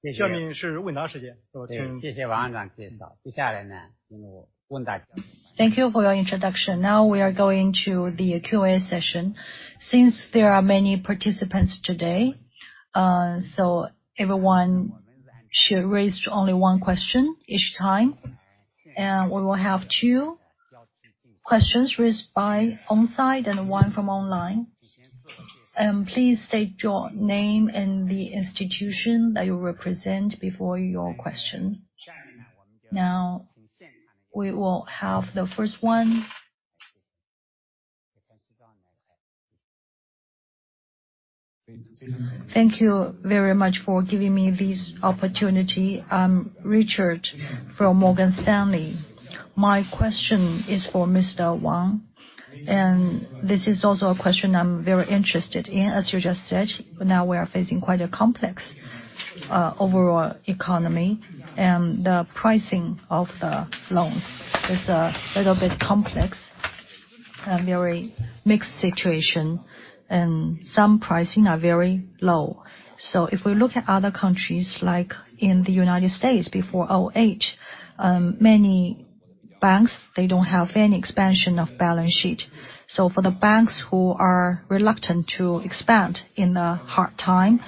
...Thank you for your introduction. Now we are going to the Q&A session. Since there are many participants today, so everyone should raise only one question each time. We will have two questions raised by on-site and one from online. Please state your name and the institution that you represent before your question. Now, we will have the first one. Thank you very much for giving me this opportunity. I'm Richard from Morgan Stanley. My question is for Mr. Wang, and this is also a question I'm very interested in. As you just said, now we are facing quite a complex, overall economy, and the pricing of the loans is a little bit complex, a very mixed situation, and some pricing are very low. So if we look at other countries, like in the United States before 2008, many banks, they don't have any expansion of balance sheet. So for the banks who are reluctant to expand in the hard time,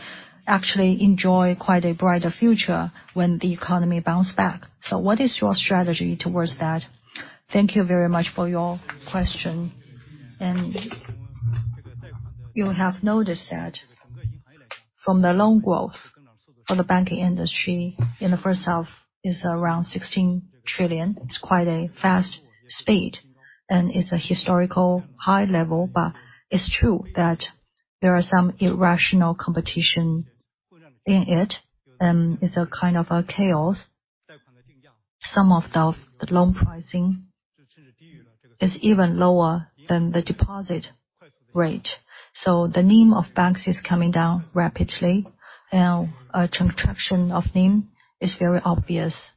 actually enjoy quite a brighter future when the economy bounce back. So what is your strategy towards that? Thank you very much for your question. You have noticed that from the loan growth for the banking industry in the first half is around 16 trillion. It's quite a fast speed, and it's a historical high level. But it's true that there are some irrational competition in it, and it's a kind of a chaos. Some of the loan pricing is even lower than the deposit rate. So the NIM of banks is coming down rapidly, and a contraction of NIM is very obvious.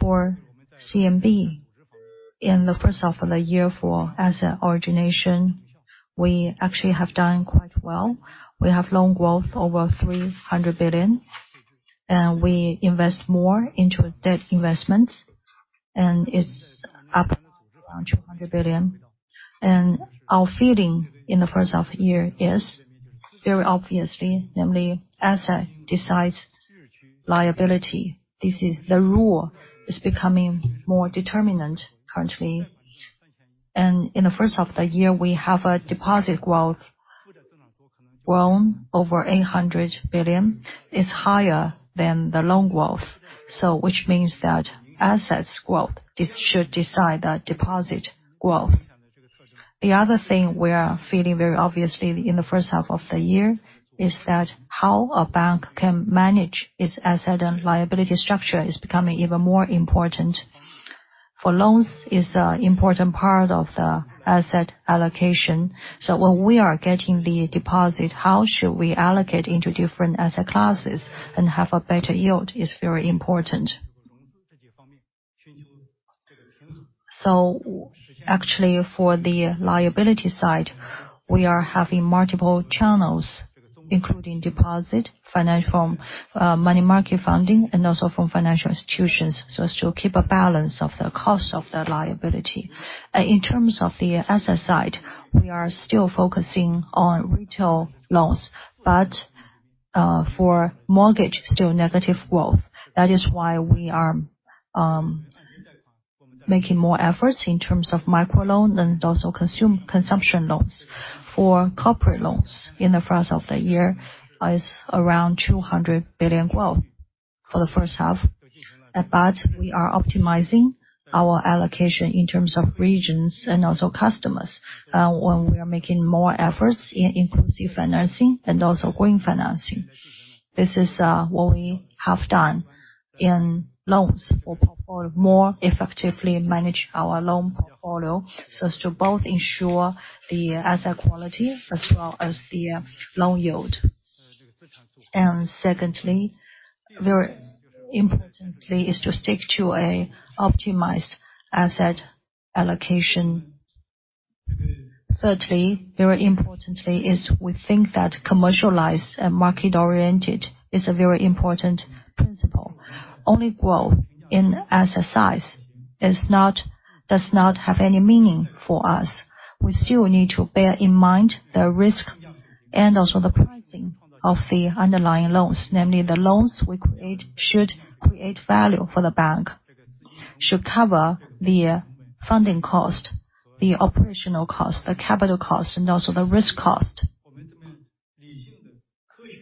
For CMB, in the first half of the year for asset origination, we actually have done quite well. We have loan growth over 300 billion, and we invest more into debt investments, and it's up around 200 billion. Our feeling in the first half year is very obviously, namely, asset decides liability. This is the rule. It's becoming more determinant currently. In the first half of the year, we have a deposit growth grown over 800 billion. It's higher than the loan growth, so which means that assets growth should decide the deposit growth. The other thing we are feeling very obviously in the first half of the year is that how a bank can manage its asset and liability structure is becoming even more important. For loans, is an important part of the asset allocation. So when we are getting the deposit, how should we allocate into different asset classes and have a better yield is very important. So actually, for the liability side, we are having multiple channels, including deposit, financial, money market funding, and also from financial institutions, so as to keep a balance of the cost of the liability. In terms of the asset side, we are still focusing on retail loans, but for mortgage, still negative growth. That is why we are making more efforts in terms of micro loan and also consumption loans. For corporate loans in the first half of the year is around 200 billion growth for the first half. But we are optimizing our allocation in terms of regions and also customers, when we are making more efforts in inclusive financing and also green financing. This is what we have done in loans to more effectively manage our loan portfolio, so as to both ensure the asset quality as well as the loan yield. Secondly, very importantly, is to stick to a optimized asset allocation. Thirdly, very importantly, is we think that commercialized and market-oriented is a very important principle. Only growth in asset size does not have any meaning for us. We still need to bear in mind the risk and also the pricing of the underlying loans, namely, the loans we create should create value for the bank, should cover the funding cost, the operational cost, the capital cost, and also the risk cost.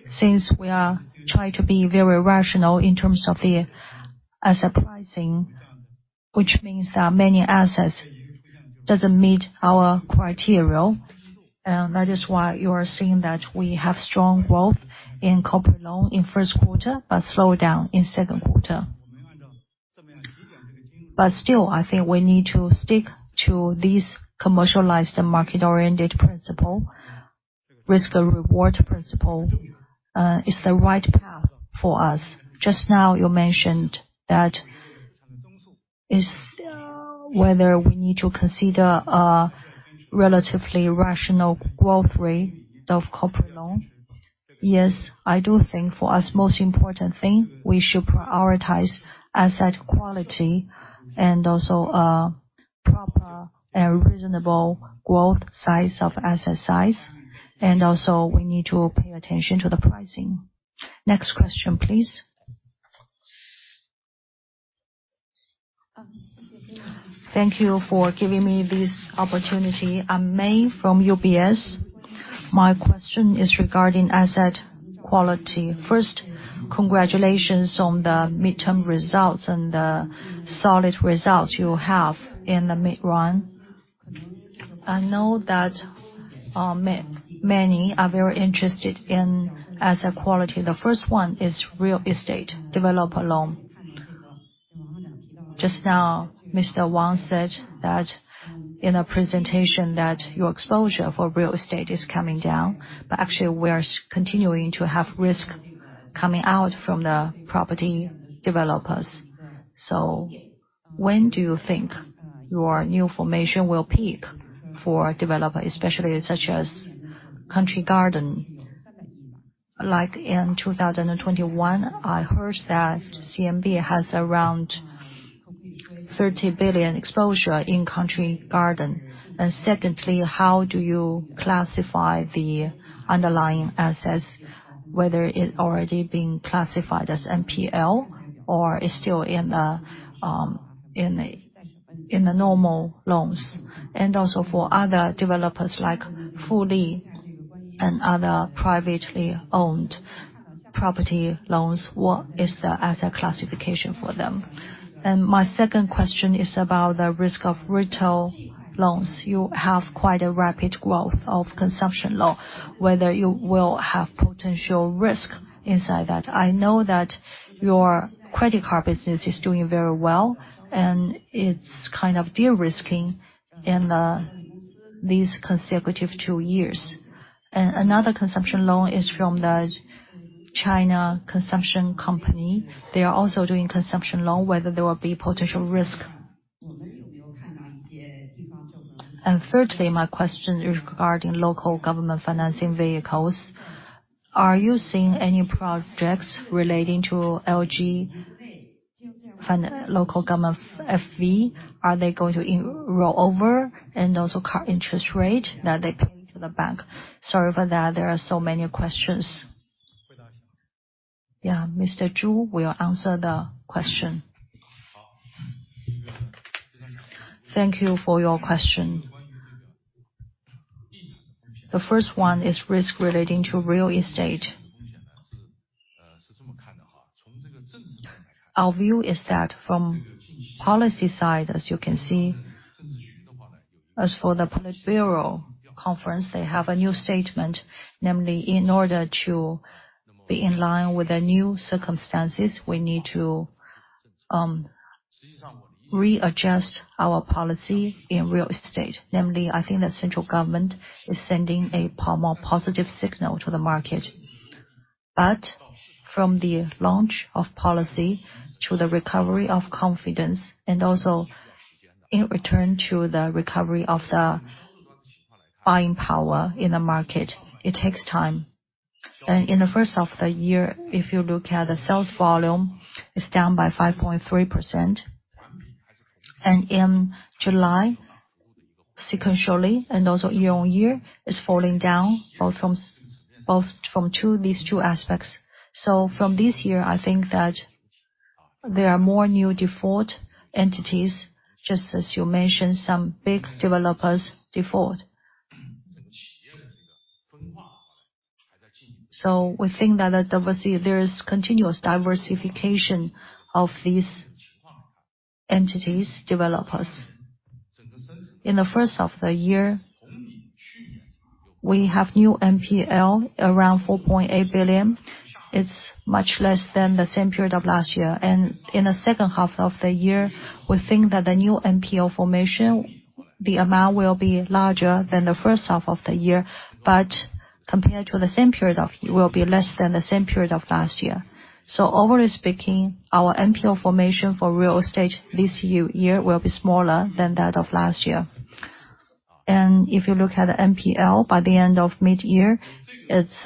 Since we are trying to be very rational in terms of the asset pricing, which means that many assets doesn't meet our criteria. That is why you are seeing that we have strong growth in corporate loan in first quarter, but slow down in second quarter. But still, I think we need to stick to this commercialized and market-oriented principle. Risk and reward principle is the right path for us. Just now, you mentioned that is whether we need to consider a relatively rational growth rate of corporate loan. Yes, I do think for us, most important thing, we should prioritize asset quality and also proper and reasonable growth size of asset size, and also we need to pay attention to the pricing. Next question, please. Thank you for giving me this opportunity. I'm May from UBS. My question is regarding asset quality. First, congratulations on the midterm results and the solid results you have in the mid-run. I know that many are very interested in asset quality. The first one is real estate developer loan. Just now, Mr. Wang said that in a presentation that your exposure for real estate is coming down, but actually, we are continuing to have risk coming out from the property developers. So when do you think your new formation will peak for developer, especially such as Country Garden? Like in 2021, I heard that CMB has around 30 billion exposure in Country Garden. And secondly, how do you classify the underlying assets, whether it's already been classified as NPL or is still in the normal loans? And also for other developers like Fudi and other privately owned property loans, what is the asset classification for them? And my second question is about the risk of retail loans. You have quite a rapid growth of consumption loan, whether you will have potential risk inside that. I know that your credit card business is doing very well, and it's kind of de-risking in these consecutive two years. And another consumption loan is from the China Consumption Company. They are also doing consumption loan, whether there will be potential risk. And thirdly, my question is regarding local government financing vehicles. Are you seeing any projects relating to LGFV? Are they going to roll over and also cut interest rate that they pay to the bank? Sorry for that, there are so many questions. Yeah, Mr. Zhu will answer the question. Thank you for your question. The first one is risk relating to real estate. Our view is that from policy side, as you can see, as for the Politburo conference, they have a new statement, namely, in order to be in line with the new circumstances, we need to readjust our policy in real estate. Namely, I think the central government is sending a more positive signal to the market. But from the launch of policy to the recovery of confidence, and also in return to the recovery of the buying power in the market, it takes time. And in the first half of the year, if you look at the sales volume, it's down by 5.3%. And in July, sequentially and also year on year, it's falling down both from these two aspects. So from this year, I think that there are more new default entities, just as you mentioned, some big developers default. So we think that there is continuous diversification of these entities, developers. In the first half of the year, we have new NPL around 4.8 billion. It's much less than the same period of last year. And in the second half of the year, we think that the new NPL formation, the amount will be larger than the first half of the year, but compared to the same period of year, will be less than the same period of last year. So overall speaking, our NPL formation for real estate this year will be smaller than that of last year. And if you look at the NPL, by the end of mid-year, it's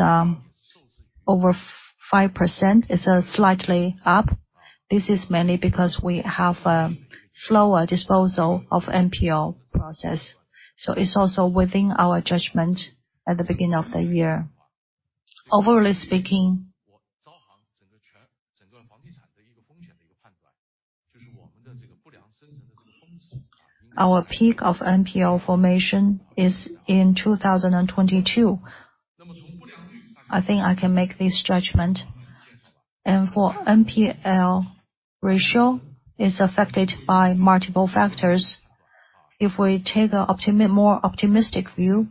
over 5%, it's slightly up. This is mainly because we have a slower disposal of NPL process, so it's also within our judgment at the beginning of the year. Overall speaking, our peak of NPL formation is in 2022. I think I can make this judgment. For NPL ratio, it's affected by multiple factors. If we take a more optimistic view,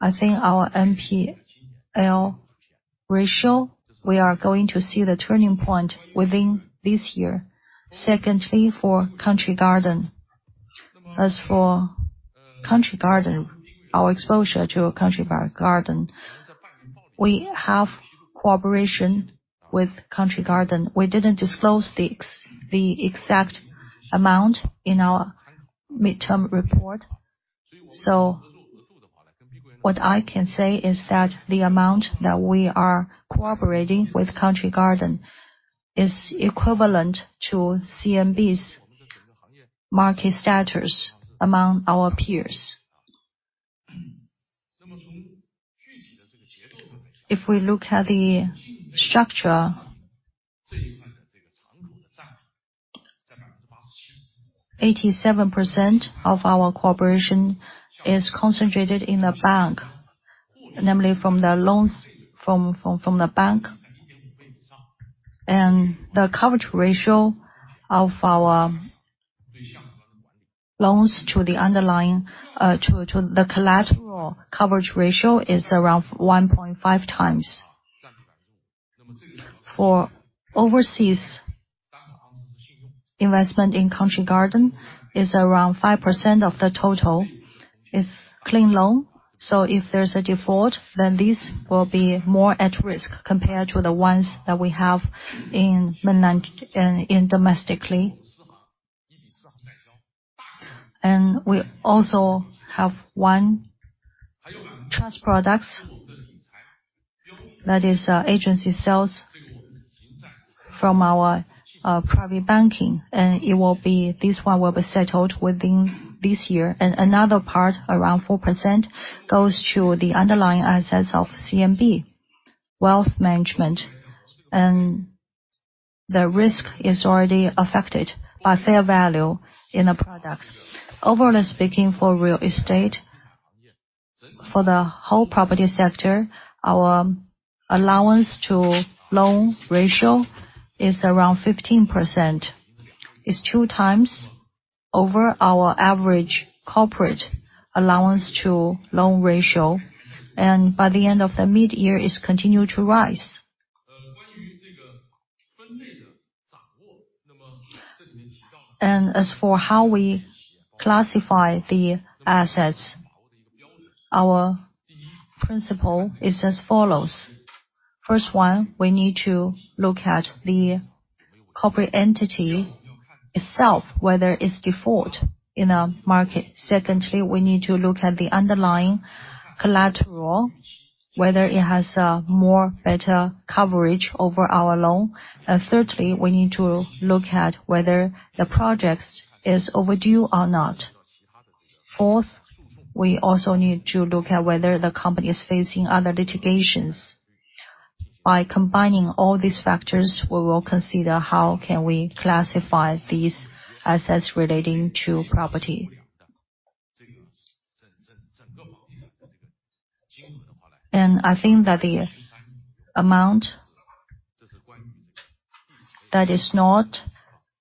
I think our NPL ratio, we are going to see the turning point within this year. Secondly, for Country Garden. As for Country Garden, our exposure to Country Garden, we have cooperation with Country Garden. We didn't disclose the exact amount in our midterm report. So what I can say is that the amount that we are cooperating with Country Garden is equivalent to CMB's market status among our peers. If we look at the structure, 87% of our cooperation is concentrated in the bank, namely from the loans from the bank. The coverage ratio of our loans to the underlying to the collateral coverage ratio is around 1.5 times. For overseas investment in Country Garden is around 5% of the total. It's clean loan, so if there's a default, then these will be more at risk compared to the ones that we have in domestically. And we also have one trust products, that is, agency sales from our private banking, and it will be this one will be settled within this year. And another part, around 4%, goes to the underlying assets of CMB Wealth Management, and the risk is already affected by fair value in the products. Overall speaking, for real estate, for the whole property sector, our allowance to loan ratio is around 15%. It's two times over our average corporate allowance to loan ratio, and by the end of the midyear, it's continued to rise. And as for how we classify the assets, our principle is as follows. First one, we need to look at the corporate entity itself, whether it's default in our market. Secondly, we need to look at the underlying collateral, whether it has more better coverage over our loan. And thirdly, we need to look at whether the project is overdue or not. Fourth, we also need to look at whether the company is facing other litigations. By combining all these factors, we will consider how can we classify these assets relating to property. And I think that the amount that is not,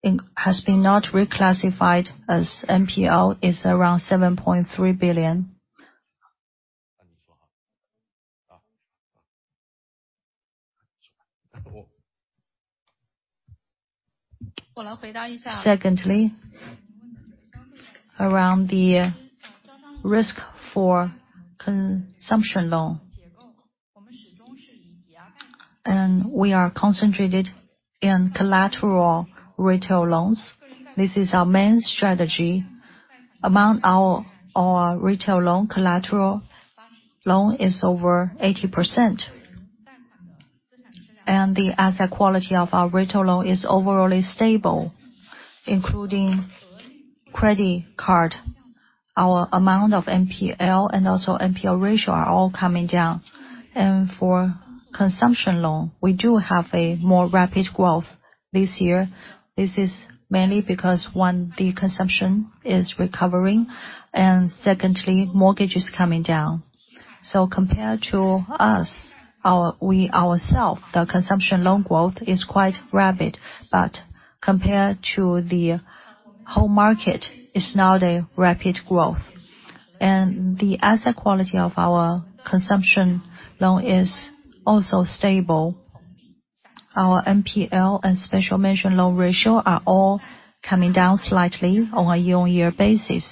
in-- has been not reclassified as NPL, is around CNY 7.3 billion. Secondly, around the risk for consumption loan, and we are concentrated in collateral retail loans. This is our main strategy. Among our, our retail loan, collateral loan is over 80%, and the asset quality of our retail loan is overall stable, including credit card. Our amount of NPL and also NPL ratio are all coming down. For consumption loan, we do have a more rapid growth this year. This is mainly because, one, the consumption is recovering, and secondly, mortgage is coming down. Compared to us, our, we ourselves, the consumption loan growth is quite rapid, but compared to the whole market, it's not a rapid growth. And the asset quality of our consumption loan is also stable. Our NPL and special mention loan ratio are all coming down slightly on a year-on-year basis.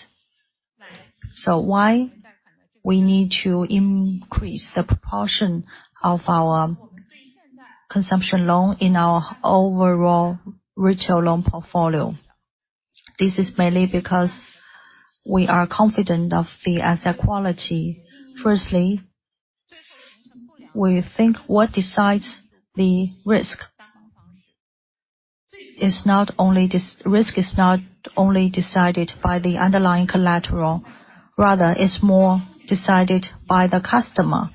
So why we need to increase the proportion of our consumption loan in our overall retail loan portfolio? This is mainly because we are confident of the asset quality. Firstly, we think what decides the risk is not only this. Risk is not only decided by the underlying collateral, rather, it's more decided by the customer.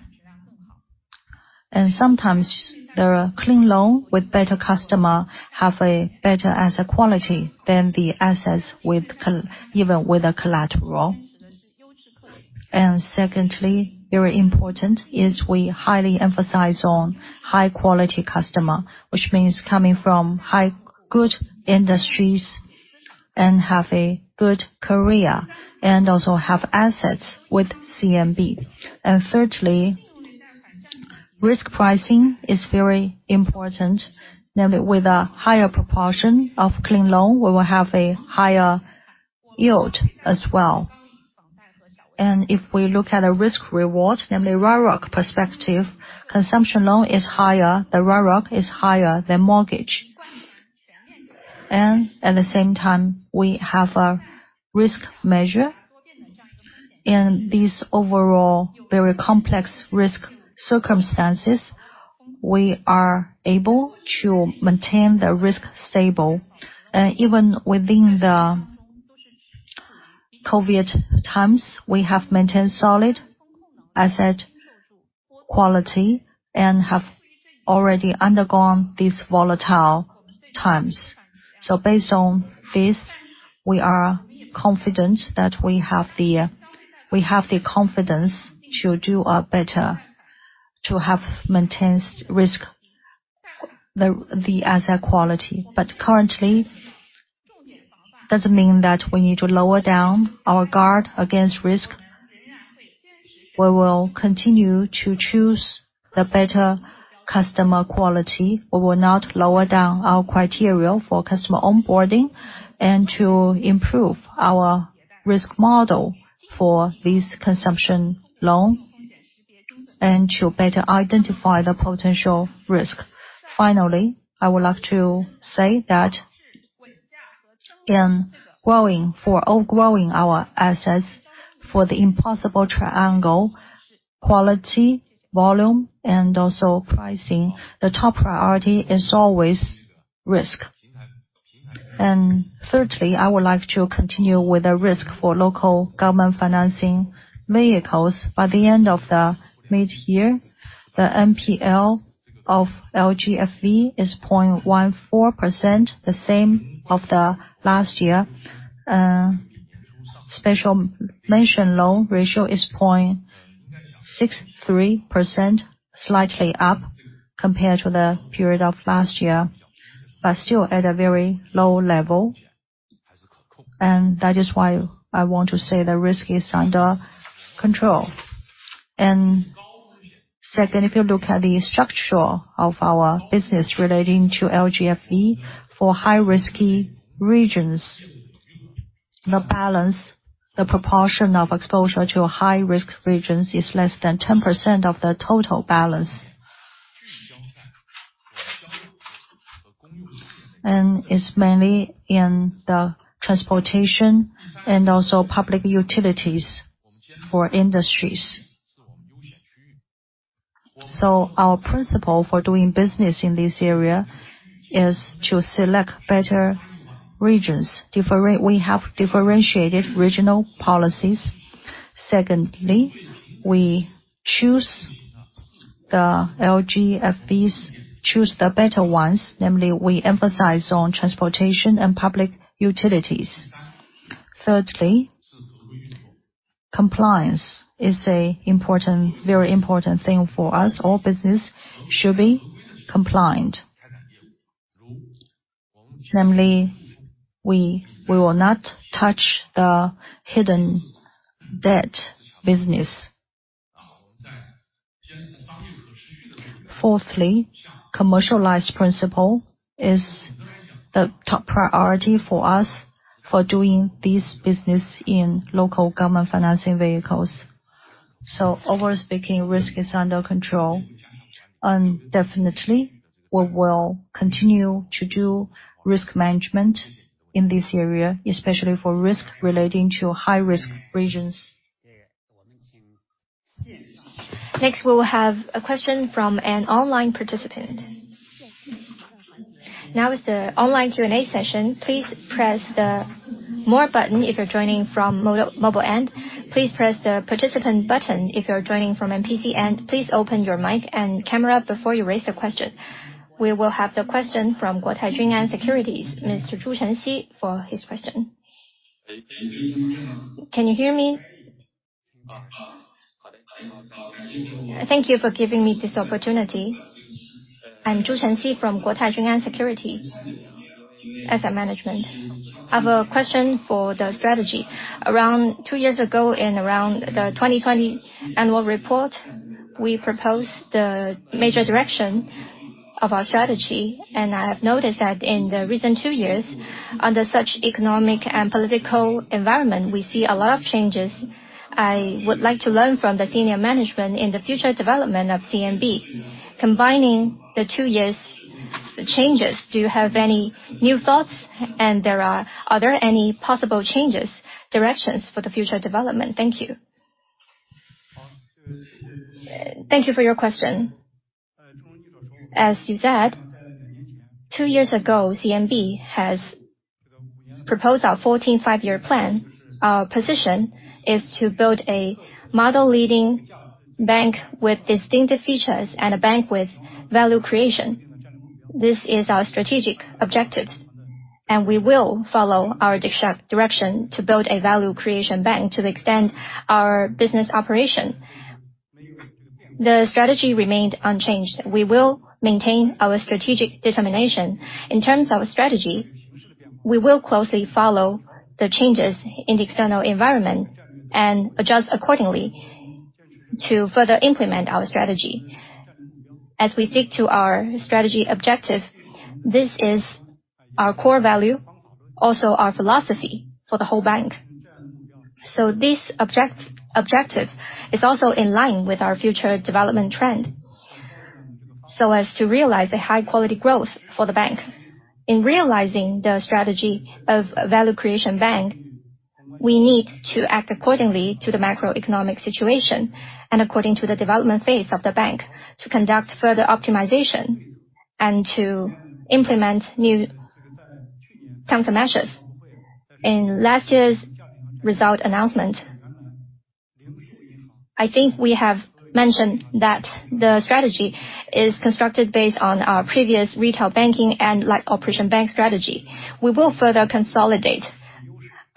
And sometimes, the clean loan with better customer have a better asset quality than the assets with even with a collateral. And secondly, very important, is we highly emphasize on high-quality customer, which means coming from high, good industries and have a good career, and also have assets with CMB. And thirdly, risk pricing is very important. Namely, with a higher proportion of clean loan, we will have a higher yield as well. If we look at a risk reward, namely, RORAC perspective, consumption loan is higher, the RORAC is higher than mortgage. And at the same time, we have a risk measure. In these overall very complex risk circumstances, we are able to maintain the risk stable. Even within the COVID times, we have maintained solid asset quality and have already undergone these volatile times. So based on this, we are confident that we have the, we have the confidence to do, better, to have maintained risk, the, the asset quality. But currently, doesn't mean that we need to lower down our guard against risk. We will continue to choose the better customer quality. We will not lower down our criteria for customer onboarding, and to improve our risk model for this consumption loan, and to better identify the potential risk. Finally, I would like to say that in growing—for outgrowing our assets, for the impossible triangle, quality, volume, and also pricing, the top priority is always risk. Thirdly, I would like to continue with the risk for local government financing vehicles. By the end of the mid-year, the NPL of LGFV is 0.14%, the same as the last year. Special mention loan ratio is 0.63%, slightly up compared to the period of last year, but still at a very low level. And that is why I want to say the risk is under control. Second, if you look at the structure of our business relating to LGFV, for high-risky regions, the balance, the proportion of exposure to high-risk regions is less than 10% of the total balance. And it's mainly in the transportation and also public utilities for industries. So our principle for doing business in this area is to select better regions. We have differentiated regional policies. Secondly, we choose the LGFVs, choose the better ones, namely, we emphasize on transportation and public utilities. Thirdly, compliance is a very important thing for us. All business should be compliant. Namely, we will not touch the hidden debt business. Fourthly, commercialized principle is the top priority for us for doing this business in local government financing vehicles. So overall speaking, risk is under control. And definitely, we will continue to do risk management in this area, especially for risk relating to high-risk regions. Next, we will have a question from an online participant. Now is the online Q&A session. Please press the More button if you're joining from mobile end. Please press the Participant button if you're joining from PC end. Please open your mic and camera before you raise your question. We will have the question from Guotai Junan Securities, Mr. Zhu Chenxi, for his question. Can you hear me? Thank you for giving me this opportunity. I'm Zhu Chenxi from Guotai Junan Securities Asset Management. I have a question for the strategy. Around two years ago, in around the 2020 annual report, we proposed the major direction of our strategy, and I have noticed that in the recent two years, under such economic and political environment, we see a lot of changes. I would like to learn from the senior management in the future development of CMB. Combining the two years' changes, do you have any new thoughts? And are there any possible changes, directions for the future development? Thank you. Thank you for your question. As you said, 2 years ago, CMB has proposed our 14th Five-Year Plan. Our position is to build a model leading bank with distinctive features and a bank with value creation. This is our strategic objectives, and we will follow our direction to build a value creation bank to extend our business operation. The strategy remained unchanged. We will maintain our strategic determination. In terms of strategy-... We will closely follow the changes in the external environment and adjust accordingly to further implement our strategy. As we stick to our strategy objective, this is our core value, also our philosophy for the whole bank. So this objective is also in line with our future development trend, so as to realize the high quality growth for the bank. In realizing the strategy of value creation bank, we need to act accordingly to the macroeconomic situation, and according to the development phase of the bank, to conduct further optimization and to implement new countermeasures. In last year's result announcement, I think we have mentioned that the strategy is constructed based on our previous retail banking and light operation bank strategy. We will further consolidate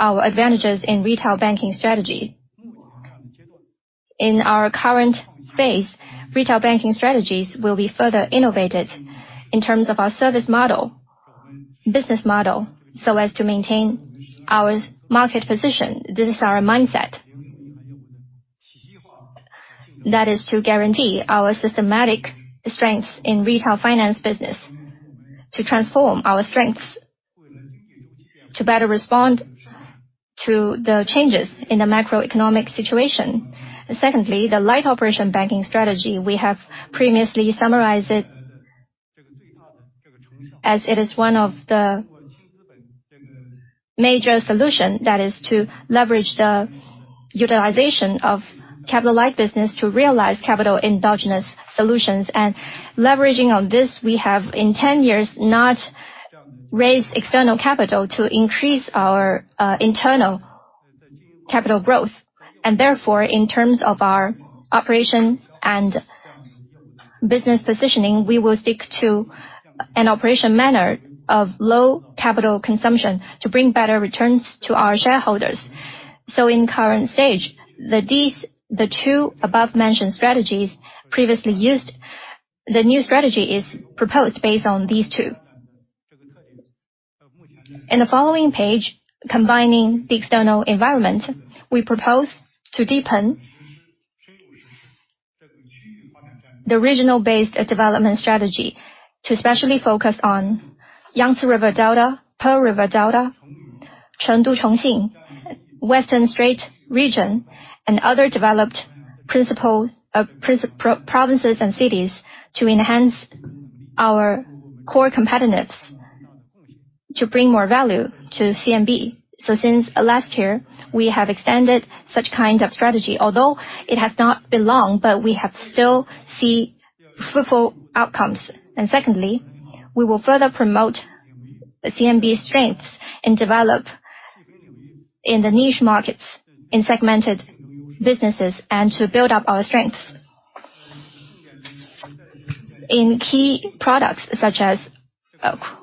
our advantages in retail banking strategy. In our current phase, retail banking strategies will be further innovated in terms of our service model, business model, so as to maintain our market position. This is our mindset. That is to guarantee our systematic strengths in retail finance business, to transform our strengths, to better respond to the changes in the macroeconomic situation. Secondly, the light operation banking strategy, we have previously summarized it, as it is one of the major solution, that is to leverage the utilization of capital light business to realize capital endogenous solutions. And leveraging on this, we have, in 10 years, not raised external capital to increase our, internal capital growth. And therefore, in terms of our operation and business positioning, we will stick to an operation manner of low capital consumption to bring better returns to our shareholders. So in current stage, the two above-mentioned strategies previously used, the new strategy is proposed based on these two. In the following page, combining the external environment, we propose to deepen the regional-based development strategy, to especially focus on Yangtze River Delta, Pearl River Delta, Chengdu, Chongqing, Western Strait region, and other developed provinces and cities to enhance our core competitiveness, to bring more value to CMB. So since last year, we have extended such kind of strategy, although it has not been long, but we have still see fruitful outcomes. And secondly, we will further promote the CMB strengths and develop in the niche markets, in segmented businesses, and to build up our strengths. In key products such as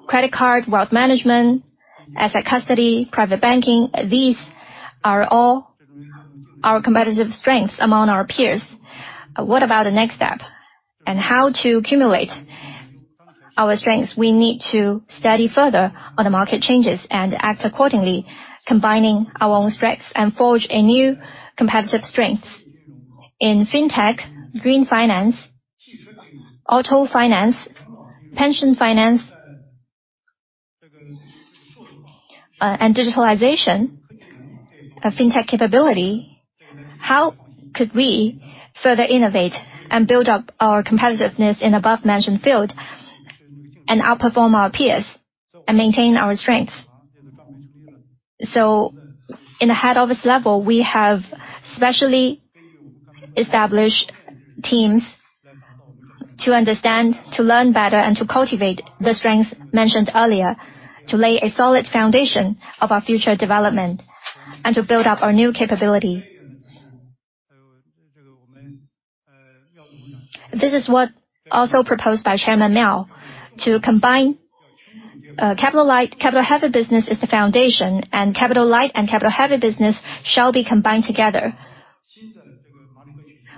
credit card, wealth management, asset custody, private banking, these are all our competitive strengths among our peers. What about the next step? And how to accumulate our strengths? We need to study further on the market changes and act accordingly, combining our own strengths and forge a new competitive strengths. In Fintech, green finance, auto finance, pension finance, and digitalization of Fintech capability, how could we further innovate and build up our competitiveness in above-mentioned field, and outperform our peers and maintain our strengths? So in the head office level, we have specially established teams to understand, to learn better, and to cultivate the strengths mentioned earlier, to lay a solid foundation of our future development and to build up our new capability. This is what also proposed by Chairman Miao, to combine, capital light. Capital-heavy business is the foundation, and capital light and capital-heavy business shall be combined together.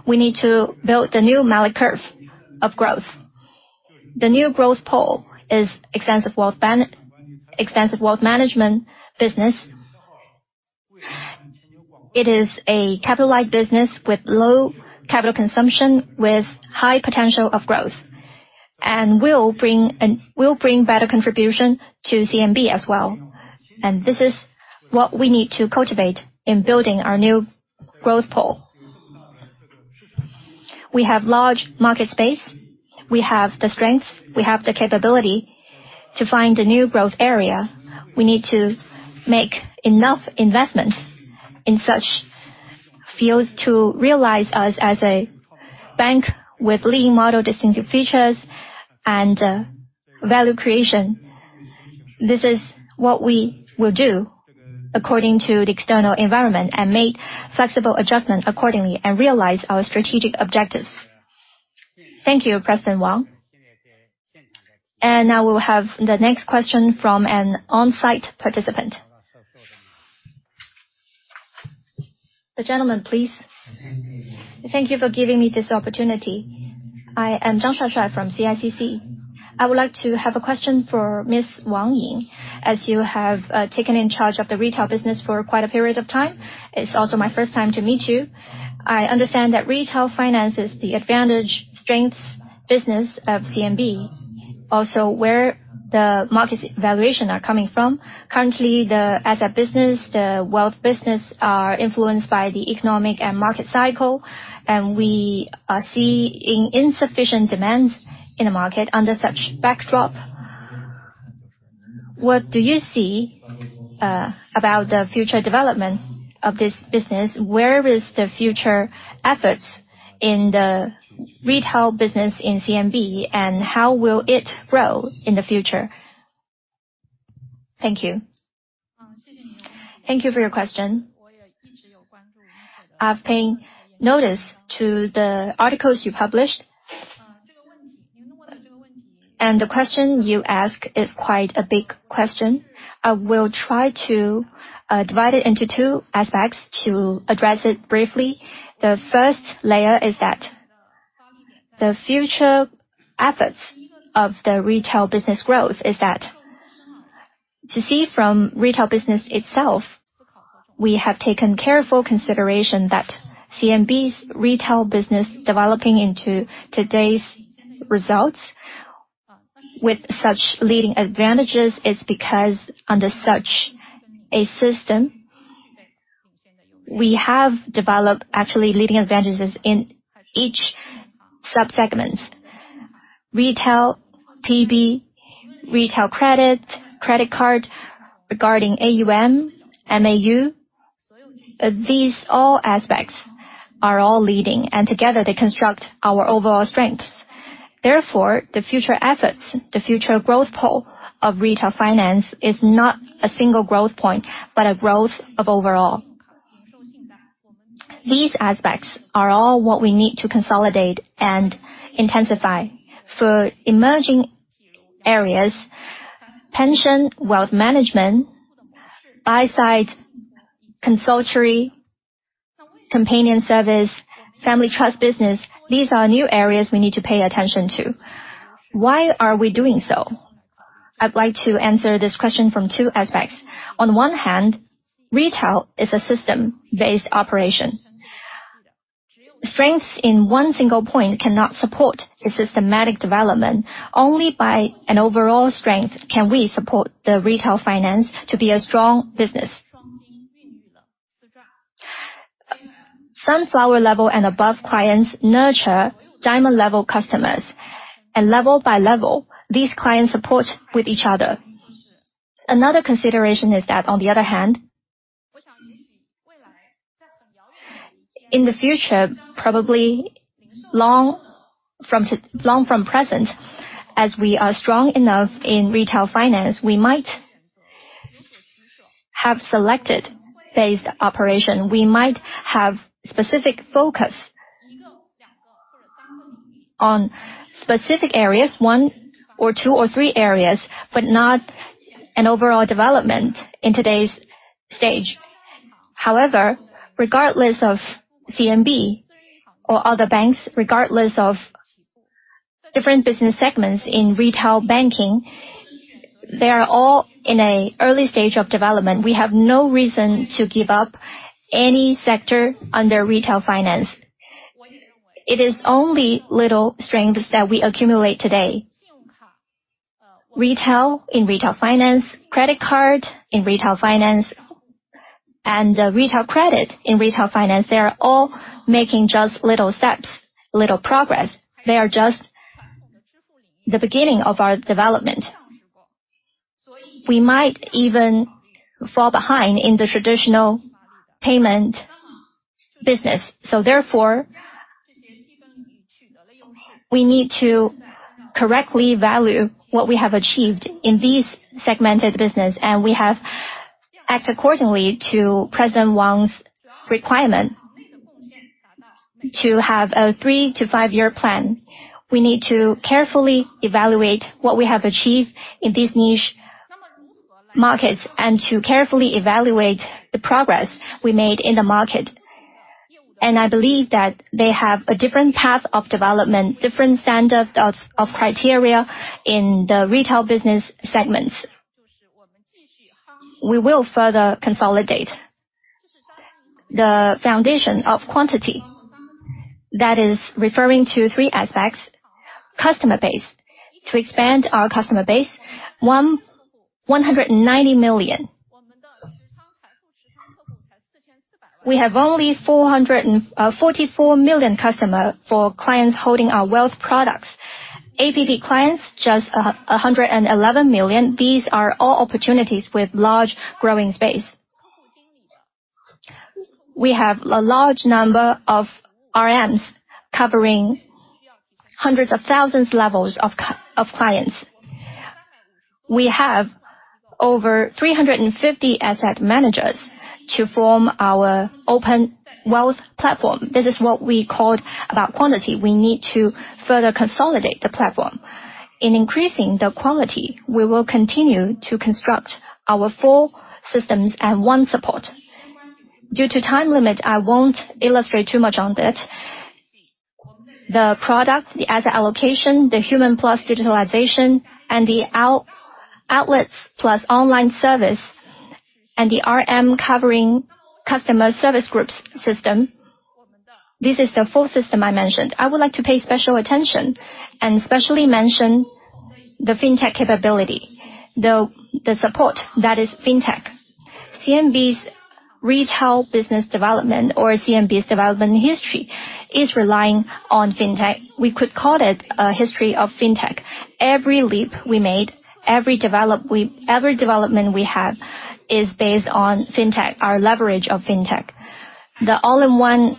We need to build the new Malik curve of growth. The new growth pole is extensive wealth management business. It is a capital light business with low capital consumption, with high potential of growth, and will bring better contribution to CMB as well. And this is what we need to cultivate in building our new growth pole. We have large market space. We have the strengths, we have the capability to find a new growth area. We need to make enough investment in such fields to realize us as a bank with leading model, distinctive features and value creation. This is what we will do according to the external environment, and make flexible adjustments accordingly, and realize our strategic objectives. Thank you, President Wang. And now we will have the next question from an on-site participant. The gentleman, please. Thank you for giving me this opportunity. I am Zhang Shuaishuai from CICC. I would like to have a question for Ms. Wang Ying. As you have taken in charge of the retail business for quite a period of time, it's also my first time to meet you. I understand that retail finance is the advantage, strengths, business of CMB. Also, where the market valuation are coming from. Currently, the asset business, the wealth business, are influenced by the economic and market cycle, and we are seeing insufficient demands in the market under such backdrop. What do you see about the future development of this business? Where is the future efforts in the retail business in CMB, and how will it grow in the future? Thank you. Thank you for your question. I've paid notice to the articles you published. And the question you ask is quite a big question. I will try to divide it into two aspects to address it briefly. The first layer is that the future efforts of the retail business growth is that to see from retail business itself, we have taken careful consideration that CMB's retail business developing into today's results with such leading advantages is because under such a system, we have developed actually leading advantages in each sub-segments. Retail, PB, retail credit, credit card, regarding AUM, MAU. These all aspects are all leading, and together they construct our overall strengths. Therefore, the future efforts, the future growth pull of retail finance, is not a single growth point, but a growth of overall. These aspects are all what we need to consolidate and intensify. For emerging areas, pension, wealth management, buy-side consultancy, companion service, family trust business, these are new areas we need to pay attention to. Why are we doing so? I'd like to answer this question from two aspects. On one hand, retail is a system-based operation. Strengths in one single point cannot support a systematic development. Only by an overall strength can we support the retail finance to be a strong business. Sunflower level and above clients nurture diamond-level customers, and level by level, these clients support with each other. Another consideration is that, on the other hand, in the future, probably long from present, as we are strong enough in retail finance, we might have selected based operation. We might have specific focus on specific areas, one or two or three areas, but not an overall development in today's stage. However, regardless of CMB or other banks, regardless of different business segments in retail banking, they are all in an early stage of development. We have no reason to give up any sector under retail finance. It is only little strengths that we accumulate today. Retail in retail finance, credit card in retail finance, and retail credit in retail finance, they are all making just little steps, little progress. They are just the beginning of our development. We might even fall behind in the traditional payment business, so therefore, we need to correctly value what we have achieved in these segmented business, and we have act accordingly to President Wang's requirement. To have a 3-5-year plan, we need to carefully evaluate what we have achieved in these niche markets and to carefully evaluate the progress we made in the market. And I believe that they have a different path of development, different standard of criteria in the retail business segments. We will further consolidate the foundation of quantity. That is referring to three aspects. Customer base, to expand our customer base. 190 million. We have only 444 million customers for clients holding our wealth products. App clients, just 111 million. These are all opportunities with large growing space. We have a large number of RMs covering hundreds of thousands of levels of clients. We have over 350 asset managers to form our open wealth platform. This is what we called about quantity. We need to further consolidate the platform. In increasing the quality, we will continue to construct our four systems and one support. Due to time limit, I won't illustrate too much on that. The product, the asset allocation, the human plus digitalization, and the outlets plus online service, and the RM covering customer service groups system. This is the full system I mentioned. I would like to pay special attention and specially mention the fintech capability. The support, that is fintech. CMB's retail business development or CMB's development history is relying on fintech. We could call it a history of fintech. Every leap we made, every development we have, is based on fintech, our leverage of fintech. The All-in-One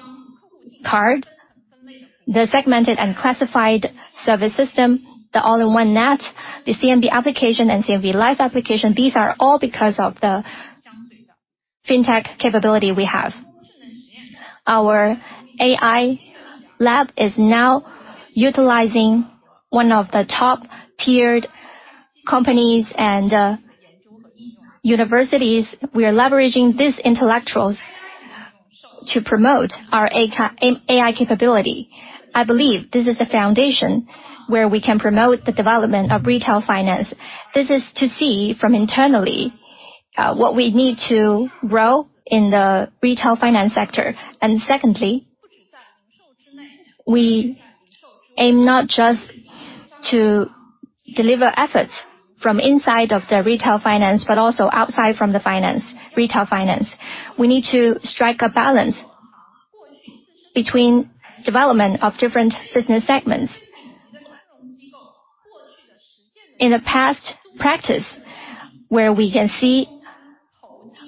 Card, the segmented and classified service system, the All-in-One Net, the CMB Application, and CMB Life Application, these are all because of the fintech capability we have. Our AI lab is now utilizing one of the top-tiered companies and universities. We are leveraging these intellectuals to promote our AI capability. I believe this is a foundation where we can promote the development of retail finance. This is to see from internally, what we need to grow in the retail finance sector. And secondly, we aim not just to deliver efforts from inside of the retail finance, but also outside from the finance, retail finance. We need to strike a balance between development of different business segments. In the past practice, where we can see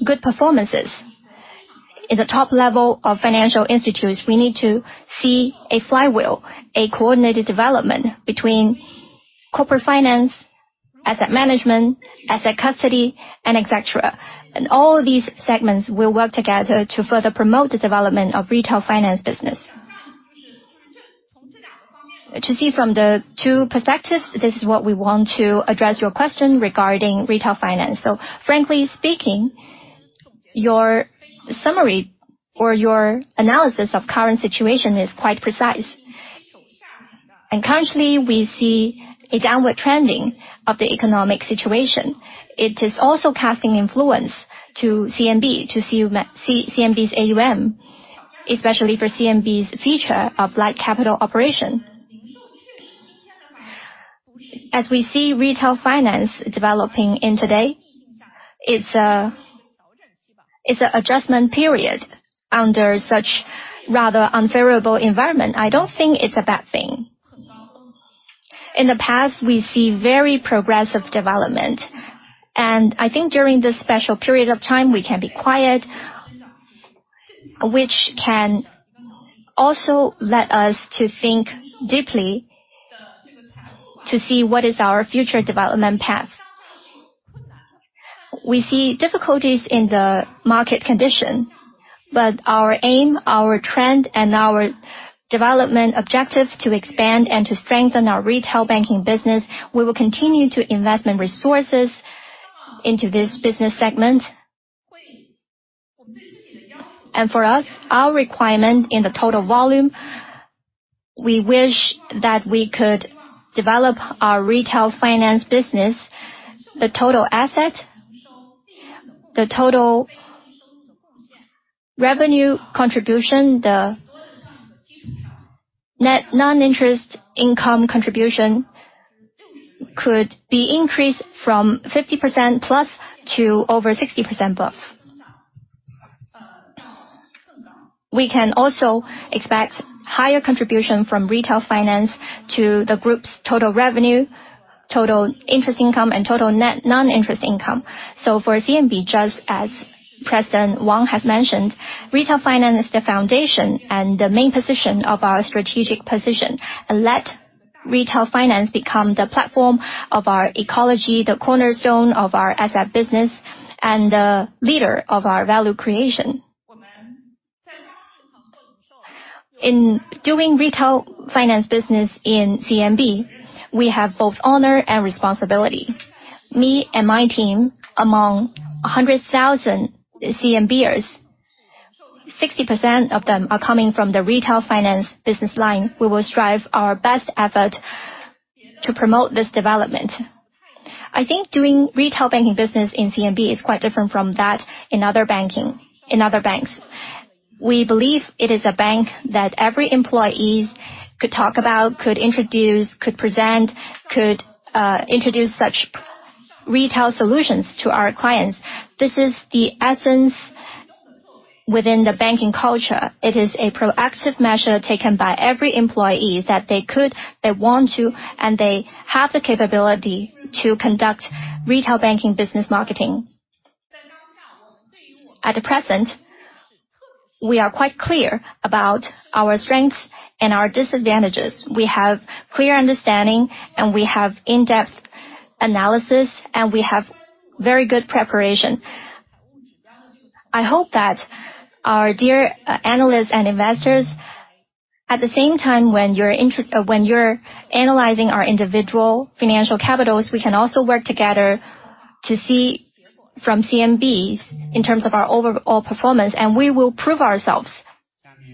good performances. In the top level of financial institutions, we need to see a flywheel, a coordinated development between corporate finance, asset management, asset custody, and et cetera. And all of these segments will work together to further promote the development of retail finance business. To see from the two perspectives, this is what we want to address your question regarding retail finance. So frankly speaking, your summary or your analysis of current situation is quite precise. And currently, we see a downward trending of the economic situation. It is also casting influence to CMB, CMB's AUM, especially for CMB's feature of light capital operation. As we see retail finance developing in today, it's a adjustment period under such rather unfavorable environment. I don't think it's a bad thing. In the past, we see very progressive development, and I think during this special period of time, we can be quiet, which can also let us to think deeply to see what is our future development path. We see difficulties in the market condition, but our aim, our trend, and our development objective to expand and to strengthen our retail banking business, we will continue to investment resources into this business segment. For us, our requirement in the total volume, we wish that we could develop our retail finance business, the total asset, the total revenue contribution, the net non-interest income contribution, could be increased from 50%+ to over 60%+. We can also expect higher contribution from retail finance to the group's total revenue, total interest income, and total net non-interest income. So for CMB, just as President Wang has mentioned, retail finance is the foundation and the main position of our strategic position, and let retail finance become the platform of our ecology, the cornerstone of our asset business, and the leader of our value creation. In doing retail finance business in CMB, we have both honor and responsibility. Me and my team, among 100,000 CMBers, 60% of them are coming from the retail finance business line. We will strive our best effort to promote this development. I think doing retail banking business in CMB is quite different from that in other banking, in other banks. We believe it is a bank that every employees could talk about, could introduce, could present, could introduce such retail solutions to our clients. This is the essence within the banking culture. It is a proactive measure taken by every employee that they could, they want to, and they have the capability to conduct retail banking business marketing. At the present, we are quite clear about our strengths and our disadvantages. We have clear understanding, and we have in-depth analysis, and we have very good preparation.... I hope that our dear analysts and investors, at the same time, when you're analyzing our individual financial capitals, we can also work together to see from CMB in terms of our overall performance, and we will prove ourselves.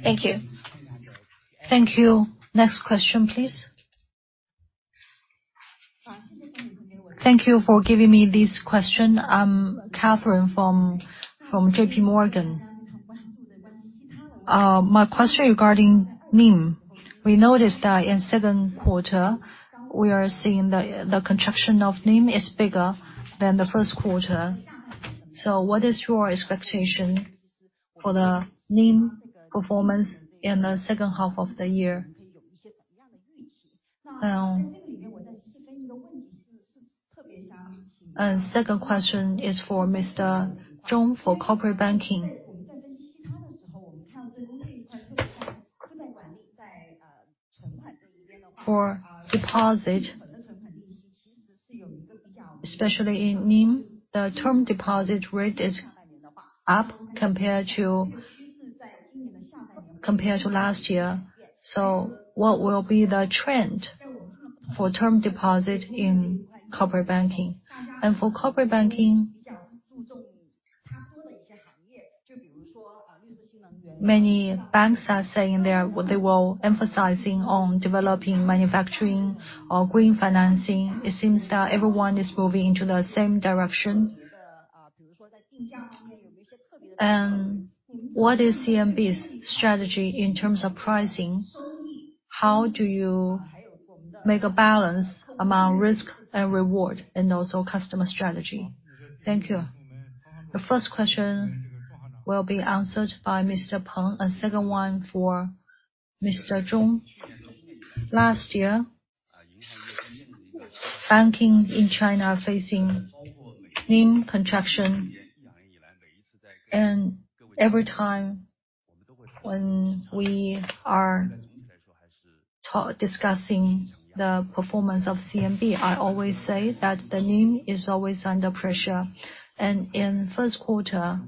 Thank you. Thank you. Next question, please. Thank you for giving me this question. I'm Katherine from JP Morgan. My question regarding NIM. We noticed that in second quarter, we are seeing the contraction of NIM is bigger than the first quarter. So what is your expectation for the NIM performance in the second half of the year? And second question is for Mr. Zhong, for corporate banking. For deposit, especially in NIM, the term deposit rate is up compared to last year. So what will be the trend for term deposit in corporate banking? And for corporate banking, many banks are saying they were emphasizing on developing, manufacturing or green financing. It seems that everyone is moving into the same direction. And what is CMB's strategy in terms of pricing? How do you make a balance among risk and reward, and also customer strategy? Thank you. The first question will be answered by Mr. Peng, and second one for Mr. Zhong. Last year, banking in China are facing NIM contraction. Every time when we are discussing the performance of CMB, I always say that the NIM is always under pressure. In first quarter,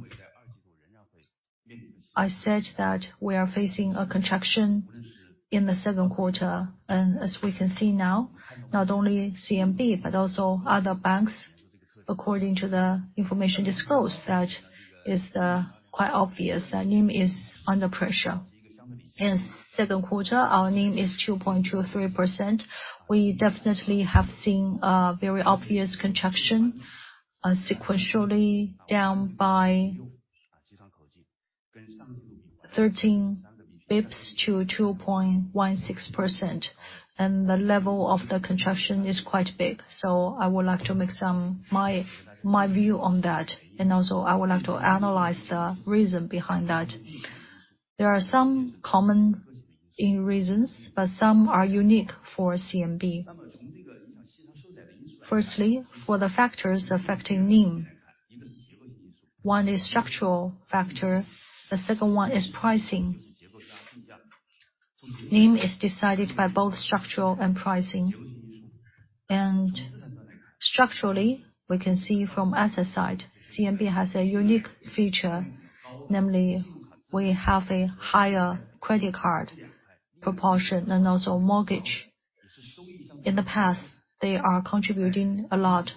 I said that we are facing a contraction in the second quarter. As we can see now, not only CMB, but also other banks, according to the information disclosed, that is quite obvious that NIM is under pressure. In second quarter, our NIM is 2.23%. We definitely have seen a very obvious contraction, sequentially down by 13 basis points to 2.16%, and the level of the contraction is quite big. So I would like to make some my view on that, and also I would like to analyze the reason behind that. There are some common reasons, but some are unique for CMB. Firstly, for the factors affecting NIM, one is structural factor, the second one is pricing. NIM is decided by both structural and pricing. Structurally, we can see from asset side, CMB has a unique feature, namely, we have a higher credit card proportion and also mortgage. In the past, they are contributing a lot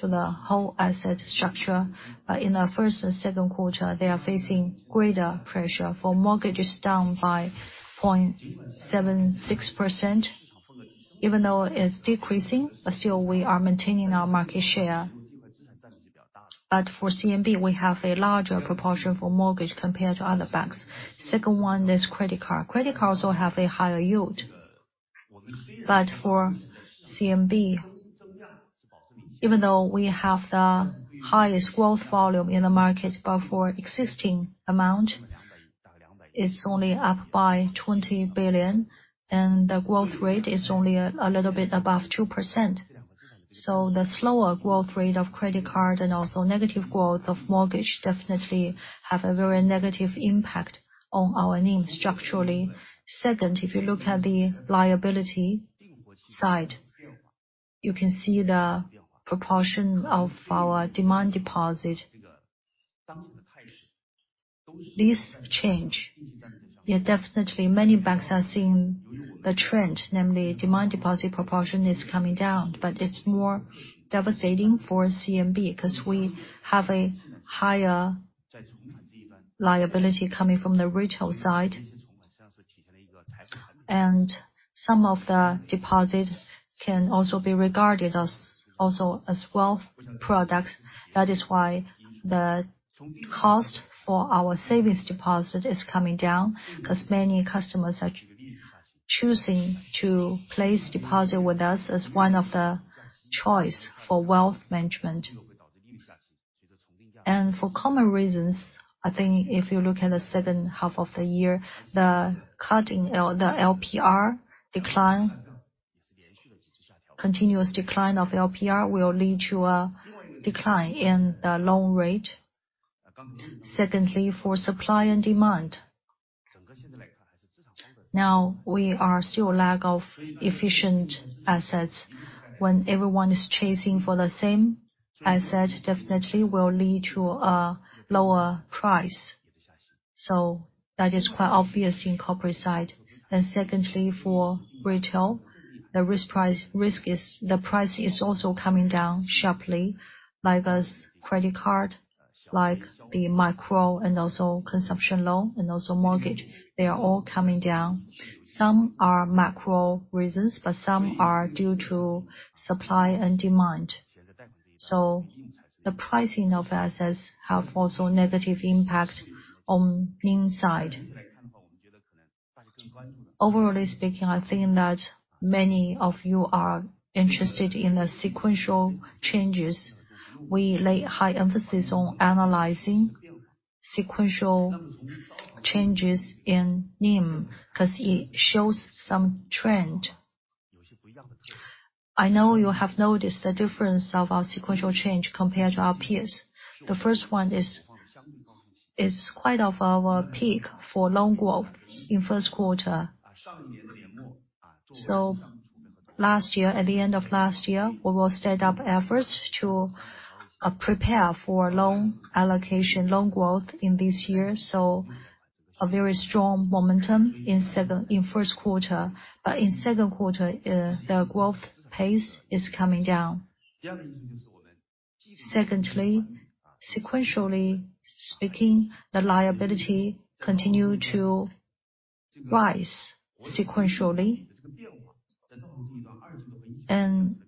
to the whole asset structure. In the first and second quarter, they are facing greater pressure for mortgages, down by 0.76%. Even though it's decreasing, but still we are maintaining our market share. But for CMB, we have a larger proportion for mortgage compared to other banks. Second one is credit card. Credit cards will have a higher yield. But for CMB, even though we have the highest growth volume in the market, but for existing amount, it's only up by 20 billion, and the growth rate is only a little bit above 2%. So the slower growth rate of credit card and also negative growth of mortgage, definitely have a very negative impact on our NIM, structurally. Second, if you look at the liability side, you can see the proportion of our demand deposit. This change, yeah, definitely many banks are seeing the trend, namely, demand deposit proportion is coming down. But it's more devastating for CMB, 'cause we have a higher liability coming from the retail side. And some of the deposits can also be regarded as, also as wealth products. That is why the cost for our savings deposit is coming down, 'cause many customers are choosing to place deposit with us as one of the choice for wealth management. And for common reasons, I think if you look at the second half of the year, the LPR decline, continuous decline of LPR, will lead to a decline in the loan rate. Secondly, for supply and demand. Now we are still lack of efficient assets. When everyone is chasing for the same asset, definitely will lead to a lower price. So that is quite obvious in corporate side. And secondly, for retail, the risk price is also coming down sharply, like as credit card, like the micro and also consumption loan, and also mortgage. They are all coming down. Some are macro reasons, but some are due to supply and demand. So the pricing of assets have also negative impact on NIM side. Overall speaking, I think that many of you are interested in the sequential changes. We lay high emphasis on analyzing sequential changes in NIM, 'cause it shows some trend. I know you have noticed the difference of our sequential change compared to our peers. The first one is, it's quite of our peak for loan growth in first quarter. So last year, at the end of last year, we will set up efforts to prepare for loan allocation, loan growth in this year. So a very strong momentum in first quarter, but in second quarter, the growth pace is coming down. Secondly, sequentially speaking, the liability continued to rise sequentially. And it's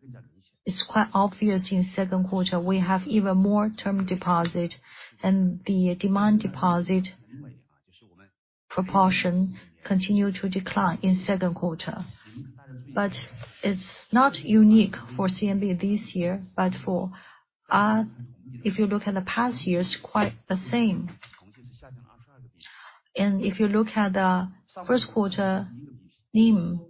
quite obvious in second quarter, we have even more term deposit, and the demand deposit proportion continued to decline in second quarter. But it's not unique for CMB this year, but for, if you look at the past years, quite the same. And if you look at the first quarter NIM,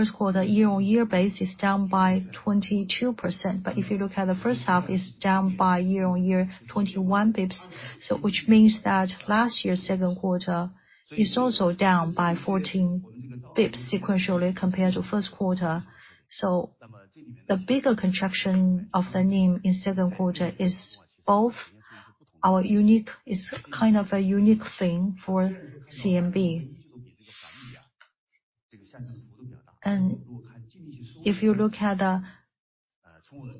first quarter year-on-year base is down by 22%. But if you look at the first half, it's down by year-on-year, 21 basis points. So which means that last year's second quarter is also down by 14 basis points sequentially, compared to first quarter. So the bigger contraction of the NIM in second quarter is both our unique. It's kind of a unique thing for CMB. And if you look at the,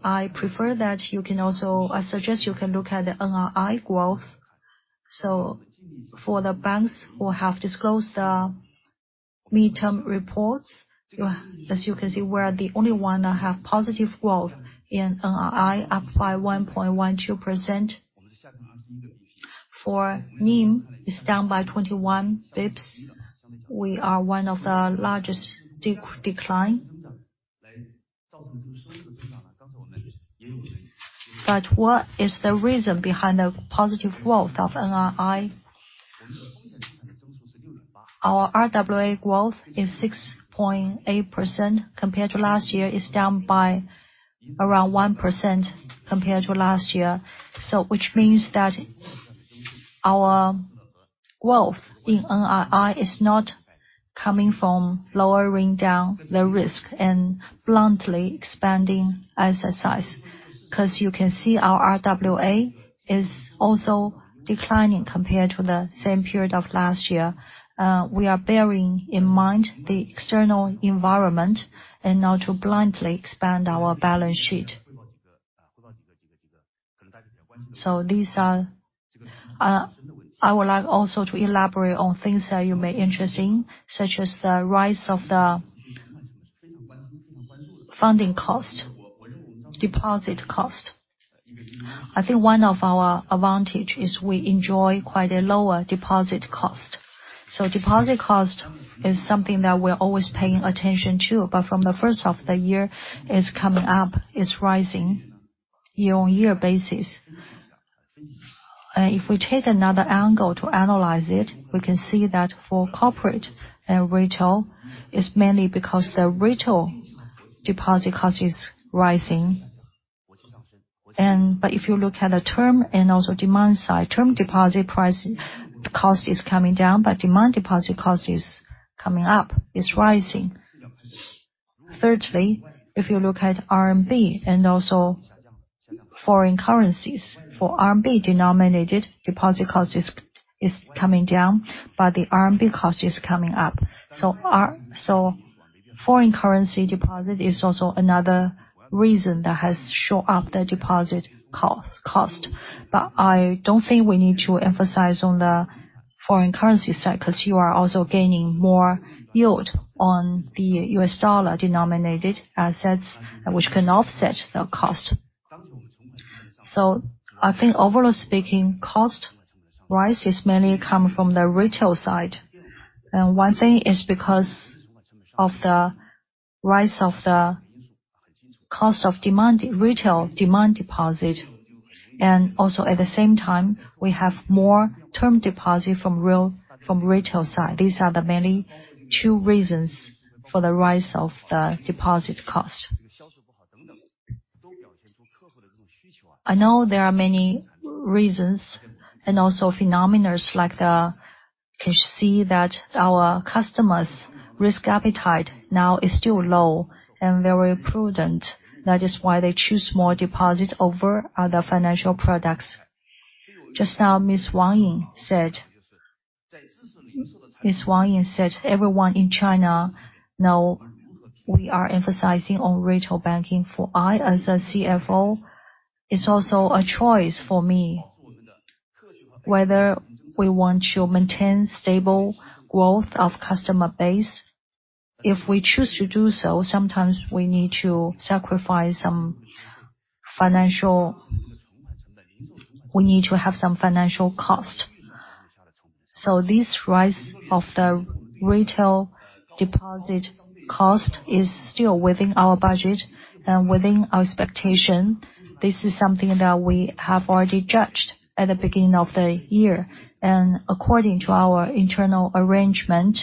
I prefer that you can also, I suggest you can look at the NII growth. So for the banks who have disclosed the midterm reports, you are, as you can see, we are the only one that have positive growth in NII, up by 1.12%. For NIM, it's down by 21 basis points. We are one of the largest decline. But what is the reason behind the positive growth of NII? Our RWA growth is 6.8% compared to last year. It's down by around 1% compared to last year. So which means that our growth in NII is not coming from lowering down the risk and bluntly expanding asset size. 'Cause you can see our RWA is also declining compared to the same period of last year. We are bearing in mind the external environment and not to blindly expand our balance sheet. So these are... I would like also to elaborate on things that you may interesting, such as the rise of the funding cost, deposit cost. I think one of our advantage is we enjoy quite a lower deposit cost. So deposit cost is something that we're always paying attention to, but from the first half of the year, it's coming up, it's rising year-on-year basis. If we take another angle to analyze it, we can see that for corporate and retail, it's mainly because the retail deposit cost is rising. But if you look at the term and also demand side, term deposit price, cost is coming down, but demand deposit cost is coming up, it's rising. Thirdly, if you look at RMB and also foreign currencies. For RMB-denominated, deposit cost is coming down, but the RMB cost is coming up. So foreign currency deposit is also another reason that has shown up the deposit cost. But I don't think we need to emphasize on the foreign currency side, 'cause you are also gaining more yield on the US dollar-denominated assets, which can offset the cost. So I think overall speaking, cost rise is mainly coming from the retail side. And one thing is because of the rise of the cost of demand, retail demand deposit, and also at the same time, we have more term deposit from retail side. These are the mainly two reasons for the rise of the deposit cost.... I know there are many reasons and also phenomena like the, can see that our customers' risk appetite now is still low and very prudent. That is why they choose more deposit over other financial products. Just now, Ms. Wang Ying said, Ms. Wang Ying said, everyone in China, now we are emphasizing on retail banking. For me, as a CFO, it's also a choice for me, whether we want to maintain stable growth of customer base. If we choose to do so, sometimes we need to sacrifice some financial... We need to have some financial cost. So this rise of the retail deposit cost is still within our budget and within our expectation. This is something that we have already judged at the beginning of the year, and according to our internal arrangement,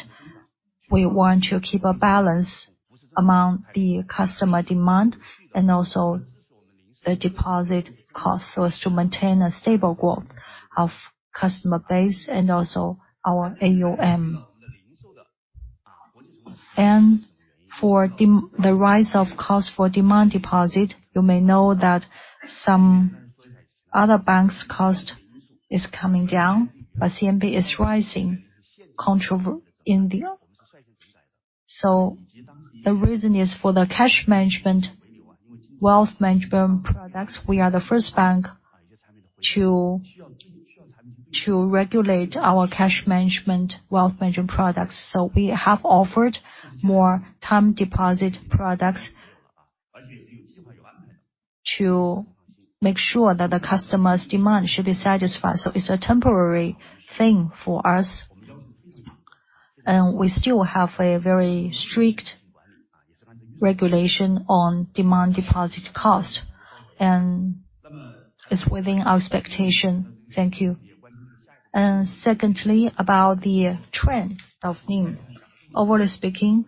we want to keep a balance among the customer demand and also the deposit cost, so as to maintain a stable growth of customer base and also our AUM. For the rise of cost for demand deposit, you may know that some other banks' cost is coming down, but CMB is rising, contrary India. So the reason is for the cash management, wealth management products, we are the first bank to regulate our cash management, wealth management products. So we have offered more time deposit products to make sure that the customer's demand should be satisfied. So it's a temporary thing for us, and we still have a very strict regulation on demand deposit cost, and it's within our expectation. Thank you. And secondly, about the trend of NIM. Overall speaking,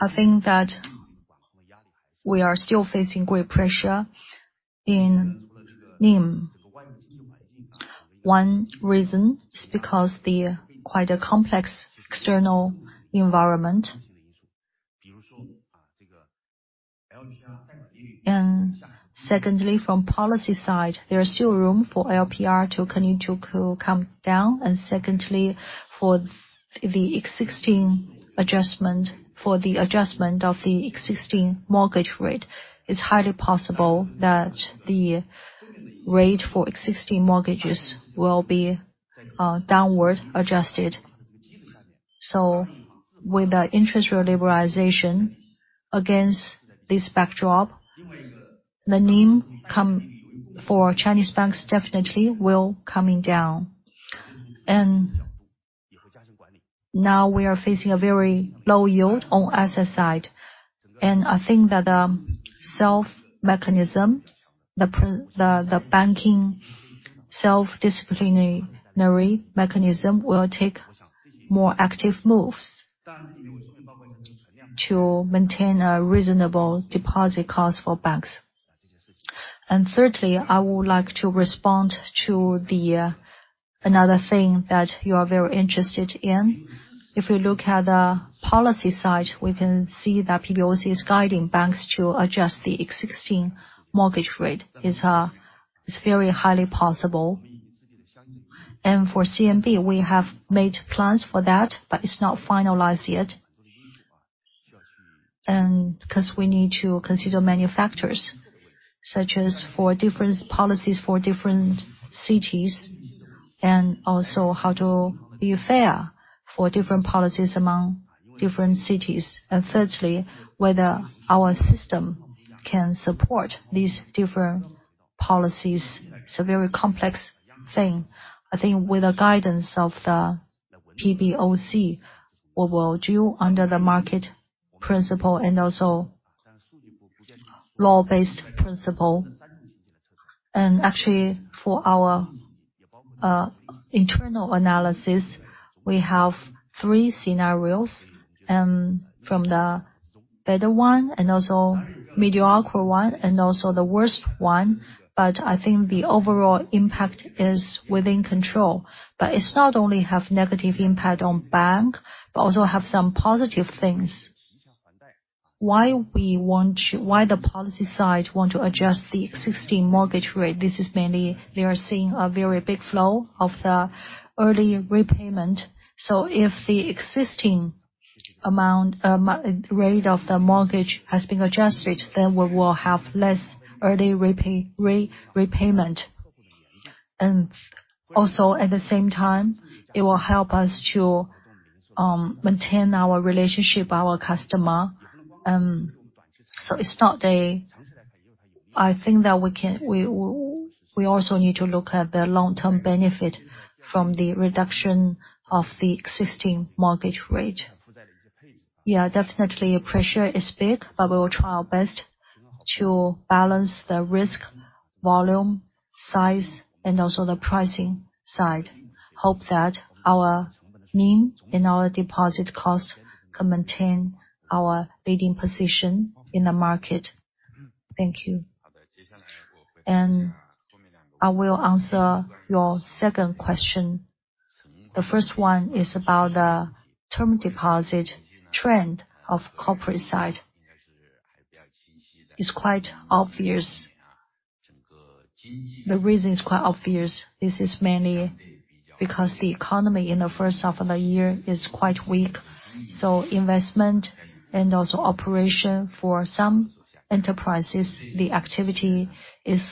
I think that we are still facing great pressure in NIM. One reason is because the quite a complex external environment. And secondly, from policy side, there is still room for LPR to continue to come down, and secondly, for the existing adjustment, for the adjustment of the existing mortgage rate, it's highly possible that the rate for existing mortgages will be downward adjusted. So with the interest rate liberalization against this backdrop, the NIM compression for Chinese banks definitely will coming down. Now we are facing a very low yield on asset side. I think that the banking self-disciplinary mechanism will take more active moves to maintain a reasonable deposit cost for banks. Thirdly, I would like to respond to another thing that you are very interested in. If you look at the policy side, we can see that PBOC is guiding banks to adjust the existing mortgage rate. It's very highly possible. For CMB, we have made plans for that, but it's not finalized yet. 'Cause we need to consider many factors, such as for different policies for different cities, and also how to be fair for different policies among different cities. And thirdly, whether our system can support these different policies. It's a very complex thing. I think with the guidance of the PBOC, we will do under the market principle and also law-based principle. And actually, for our internal analysis, we have three scenarios, from the better one, and also mediocre one, and also the worst one, but I think the overall impact is within control. But it's not only have negative impact on bank, but also have some positive things. Why we want to-- why the policy side want to adjust the existing mortgage rate? This is mainly they are seeing a very big flow of the early repayment. So if the existing amount, rate of the mortgage has been adjusted, then we will have less early repayment. At the same time, it will help us to maintain our relationship with our customer. I think that we can—we also need to look at the long-term benefit from the reduction of the existing mortgage rate. Yeah, definitely, pressure is big, but we will try our best to balance the risk, volume, size, and also the pricing side. Hope that our NIM and our deposit cost can maintain our leading position in the market. Thank you. I will answer your second question. The first one is about the term deposit trend on the corporate side. It's quite obvious. The reason is quite obvious. This is mainly because the economy in the first half of the year is quite weak, so investment and also operation for some enterprises, the activity is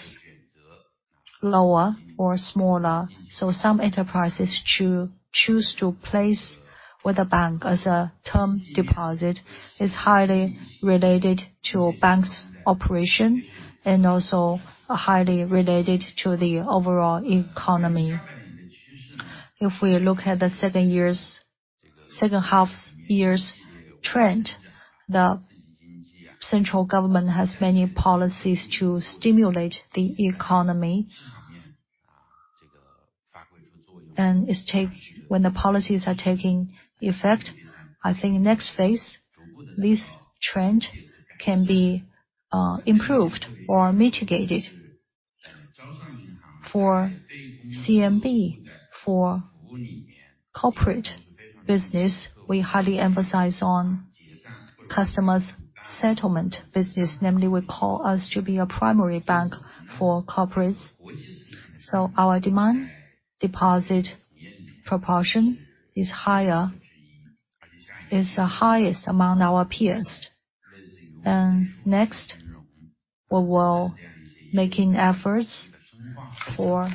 lower or smaller. So some enterprises choose to place with a bank as a term deposit, is highly related to a bank's operation, and also highly related to the overall economy. If we look at the second half year's trend, the central government has many policies to stimulate the economy. And when the policies are taking effect, I think next phase, this trend can be improved or mitigated. For CMB, for corporate business, we highly emphasize on customers' settlement business, namely, we call us to be a primary bank for corporates. So our demand deposit proportion is higher, is the highest among our peers. And next, we will making efforts for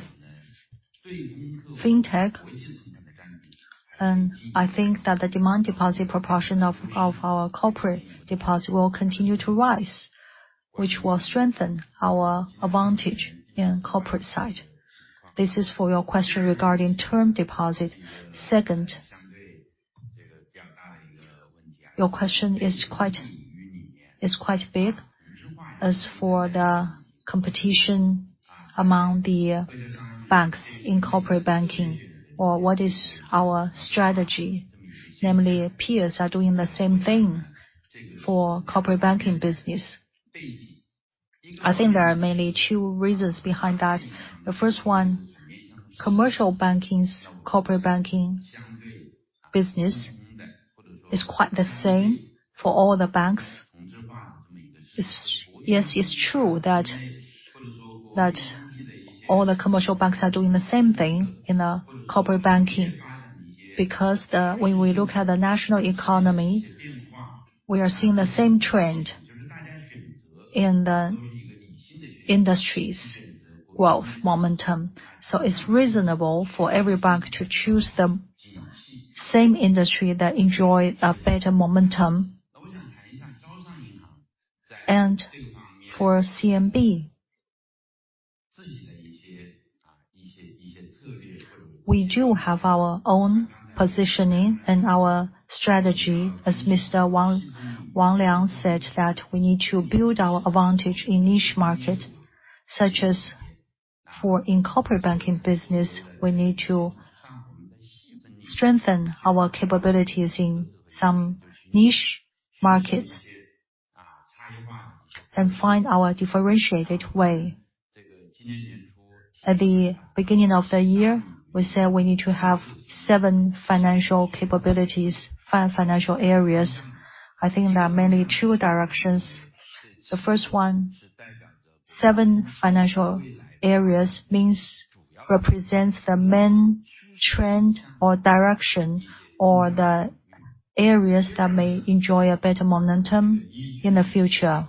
fintech. And I think that the demand deposit proportion of our corporate deposit will continue to rise, which will strengthen our advantage in corporate side. This is for your question regarding term deposit. Second, your question is quite big. As for the competition among the banks in corporate banking, or what is our strategy? Namely, peers are doing the same thing for corporate banking business. I think there are mainly two reasons behind that. The first one, commercial banking's corporate banking business is quite the same for all the banks. It's yes, it's true that all the commercial banks are doing the same thing in the corporate banking. Because when we look at the national economy, we are seeing the same trend in the industry's growth momentum. So it's reasonable for every bank to choose the same industry that enjoy a better momentum. And for CMB, we do have our own positioning and our strategy. As Mr. Wang Liang said that we need to build our advantage in niche market, such as for in corporate banking business, we need to strengthen our capabilities in some niche markets, and find our differentiated way. At the beginning of the year, we said we need to have seven financial capabilities, five financial areas. I think there are mainly two directions. The first one, seven financial areas means, represents the main trend or direction, or the areas that may enjoy a better momentum in the future.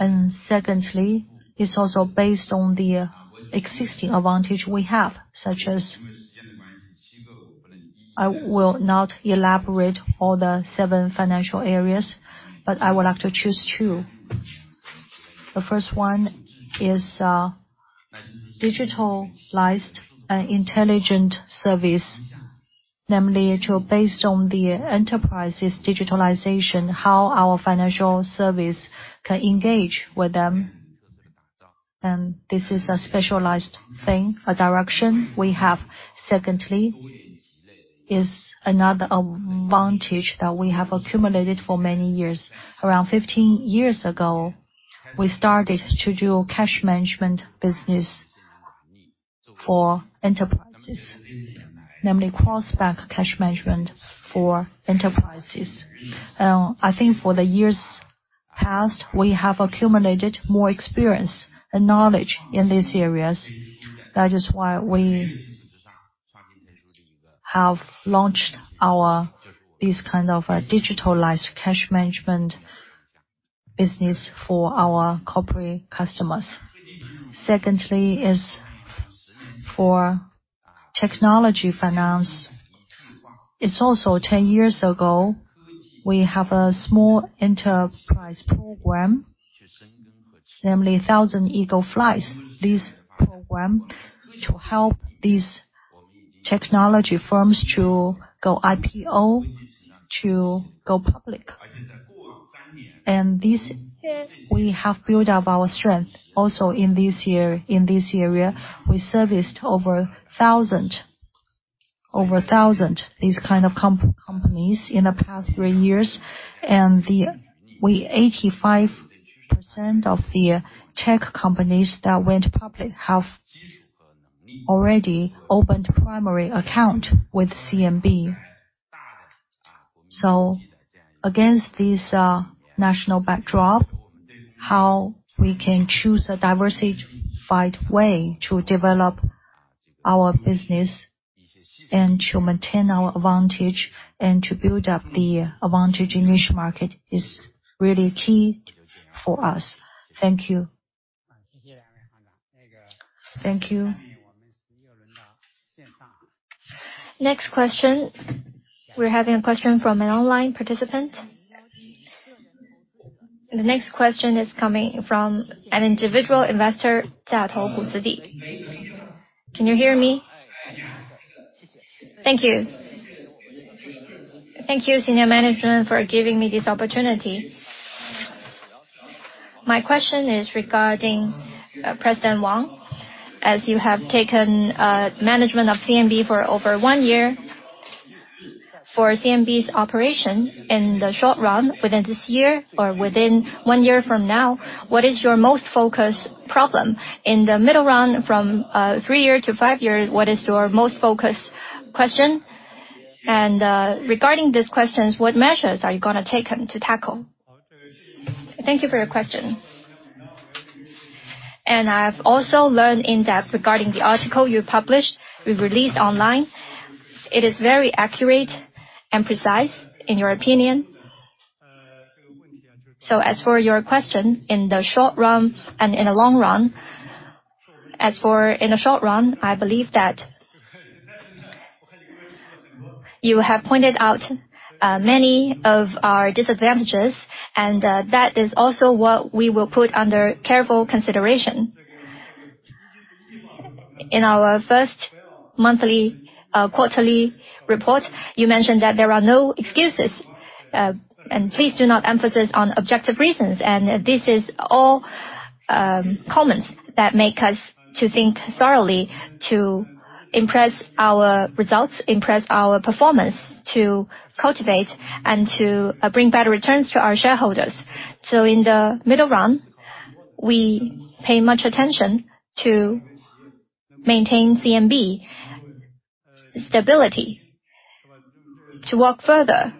And secondly, it's also based on the existing advantage we have, such as... I will not elaborate all the seven financial areas, but I would like to choose two. The first one is digitalized and intelligent service. Namely, to based on the enterprise's digitalization, how our financial service can engage with them. And this is a specialized thing, a direction we have. Secondly, is another advantage that we have accumulated for many years. Around 15 years ago, we started to do cash management business for enterprises, namely cross-bank cash management for enterprises. I think for the years past, we have accumulated more experience and knowledge in these areas. That is why we have launched our—this kind of a digitalized cash management business for our corporate customers. Secondly is for technology finance. It's also 10 years ago, we have a small enterprise program, namely, Thousand Eagle Flights. This program to help these technology firms to go IPO, to go public. And this, we have built up our strength also in this year, in this area. We serviced over 1,000, over 1,000, these kind of companies in the past three years, and we 85% of the tech companies that went public have already opened primary account with CMB. So against this national backdrop, how we can choose a diversified way to develop our business and to maintain our advantage and to build up the advantage in niche market is really key for us. Thank you. Thank you. Next question. We're having a question from an online participant. The next question is coming from an individual investor, Jiatou Huzi. Can you hear me? Yes. Thank you. Thank you, senior management, for giving me this opportunity. My question is regarding President Wang. As you have taken management of CMB for over one year, for CMB's operation in the short run, within this year or within one year from now, what is your most focused problem? In the middle round, from three year to five years, what is your most focused question? And regarding these questions, what measures are you gonna taken to tackle? Thank you for your question. And I've also learned in-depth regarding the article you published, we released online. It is very accurate and precise in your opinion. So as for your question, in the short run and in the long run, as for in the short run, I believe that. You have pointed out many of our disadvantages, and that is also what we will put under careful consideration. In our first monthly, quarterly report, you mentioned that there are no excuses, and please do not emphasize on objective reasons. And this is all comments that make us to think thoroughly to impress our results, impress our performance, to cultivate and to bring better returns to our shareholders. So in the middle run, we pay much attention to maintain CMB stability, to work further,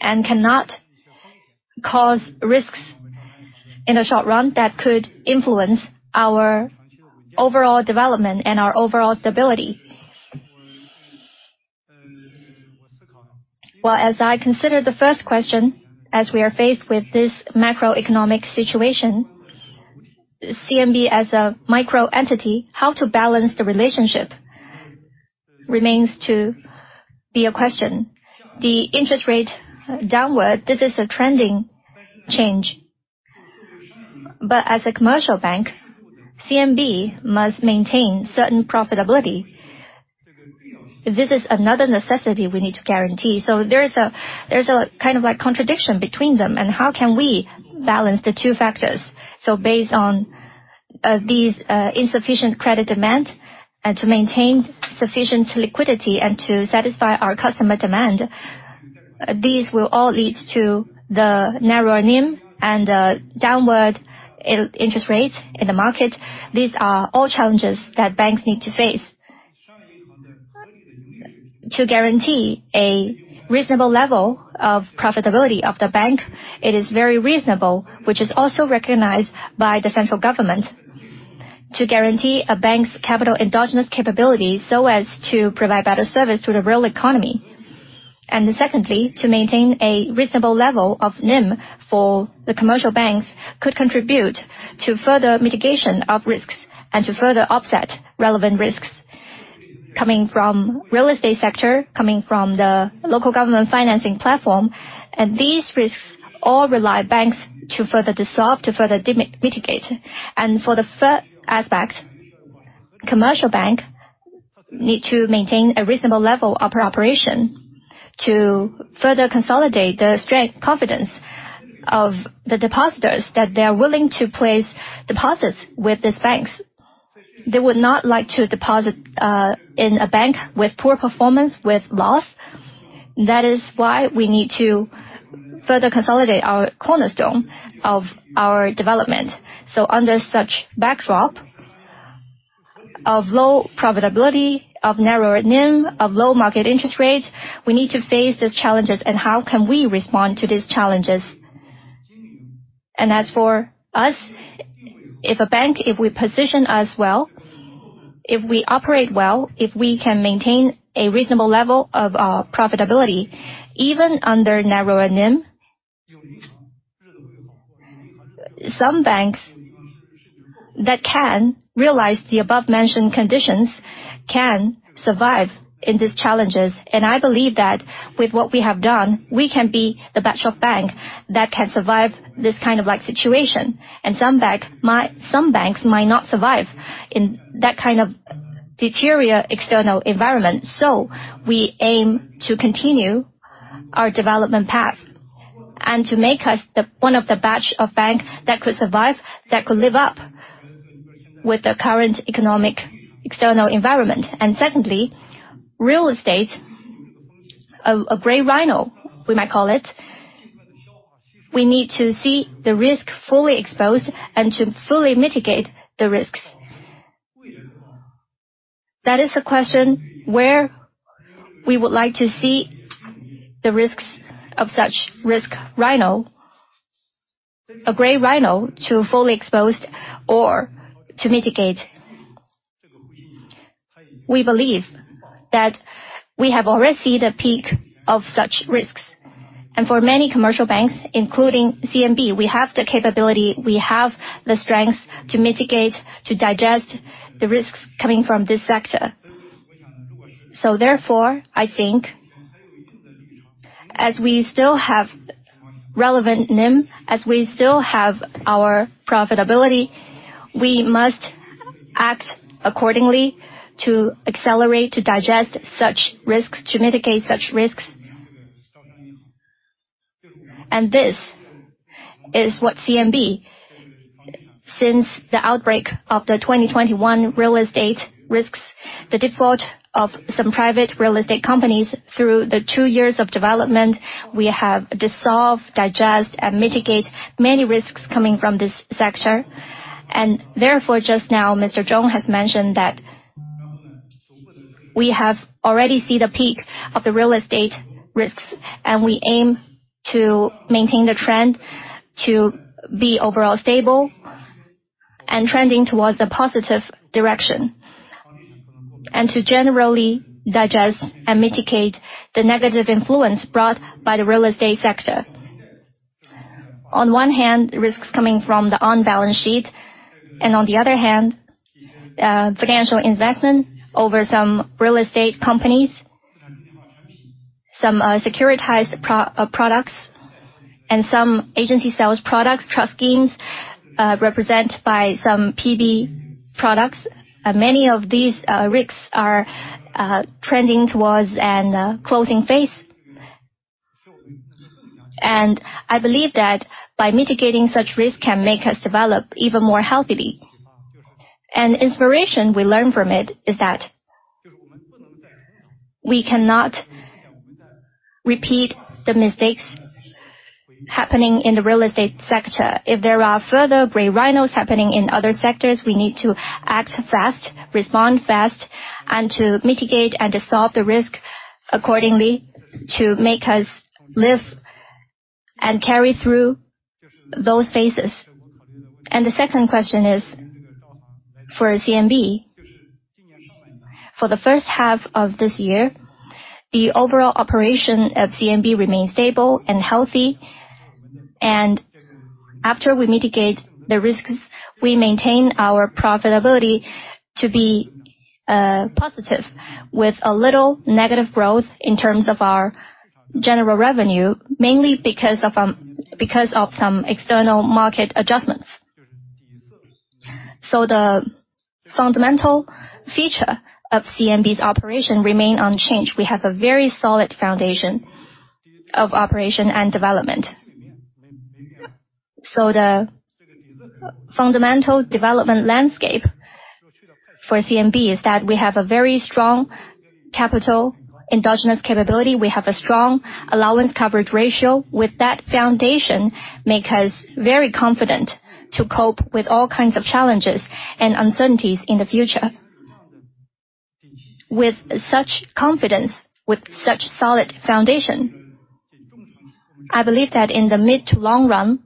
and cannot cause risks in the short run that could influence our overall development and our overall stability. Well, as I consider the first question, as we are faced with this macroeconomic situation, CMB as a micro entity, how to balance the relationship remains to be a question. The interest rate downward, this is a trending change. But as a commercial bank, CMB must maintain certain profitability. This is another necessity we need to guarantee. So there is a, there is a kind of, like, contradiction between them, and how can we balance the two factors? So based on these insufficient credit demand and to maintain sufficient liquidity and to satisfy our customer demand, these will all lead to the narrower NIM and downward interest rates in the market. These are all challenges that banks need to face. To guarantee a reasonable level of profitability of the bank, it is very reasonable, which is also recognized by the central government, to guarantee a bank's capital endogenous capability so as to provide better service to the real economy. And secondly, to maintain a reasonable level of NIM for the commercial banks could contribute to further mitigation of risks and to further offset relevant risks coming from real estate sector, coming from the local government financing platform. And these risks all rely banks to further dissolve, to further mitigate. And for the first aspect, commercial bank need to maintain a reasonable level of operation to further consolidate the strength, confidence of the depositors that they are willing to place deposits with these banks. They would not like to deposit in a bank with poor performance, with loss. That is why we need to further consolidate our cornerstone of our development. Under such backdrop of low profitability, of narrower NIM, of low market interest rates, we need to face these challenges, and how can we respond to these challenges? As for us, if a bank, if we position us well, if we operate well, if we can maintain a reasonable level of profitability, even under narrower NIM... Some banks that can realize the above-mentioned conditions can survive in these challenges. I believe that with what we have done, we can be the best of bank that can survive this kind of like situation. Some banks might not survive in that kind of deteriorate external environment. We aim to continue-... our development path, and to make us the one of the batch of bank that could survive, that could live up with the current economic external environment. And secondly, real estate, a gray rhino, we might call it, we need to see the risk fully exposed and to fully mitigate the risks. That is a question where we would like to see the risks of such risk rhino, a gray rhino, to fully exposed or to mitigate. We believe that we have already seen the peak of such risks, and for many commercial banks, including CMB, we have the capability, we have the strength to mitigate, to digest the risks coming from this sector. So therefore, I think as we still have relevant NIM, as we still have our profitability, we must act accordingly to accelerate, to digest such risks, to mitigate such risks. This is what CMB, since the outbreak of the 2021 real estate risks, the default of some private real estate companies through the two years of development, we have dissolved, digest, and mitigate many risks coming from this sector. And therefore, just now, Mr. Zhong has mentioned that we have already seen the peak of the real estate risks, and we aim to maintain the trend to be overall stable and trending towards a positive direction, and to generally digest and mitigate the negative influence brought by the real estate sector. On one hand, risks coming from the on-balance sheet, and on the other hand, financial investment over some real estate companies, some securitized products, and some agency sales products, trust schemes, represented by some PB products. And many of these risks are trending towards a closing phase. I believe that by mitigating such risk can make us develop even more healthily. Inspiration we learn from it is that we cannot repeat the mistakes happening in the real estate sector. If there are further gray rhinos happening in other sectors, we need to act fast, respond fast, and to mitigate and dissolve the risk accordingly to make us live and carry through those phases. The second question is, for CMB, for the first half of this year, the overall operation of CMB remains stable and healthy. After we mitigate the risks, we maintain our profitability to be positive, with a little negative growth in terms of our general revenue, mainly because of some external market adjustments. The fundamental feature of CMB's operation remain unchanged. We have a very solid foundation of operation and development. So the fundamental development landscape for CMB is that we have a very strong capital endogenous capability. We have a strong allowance coverage ratio. With that foundation, make us very confident to cope with all kinds of challenges and uncertainties in the future. With such confidence, with such solid foundation, I believe that in the mid to long run,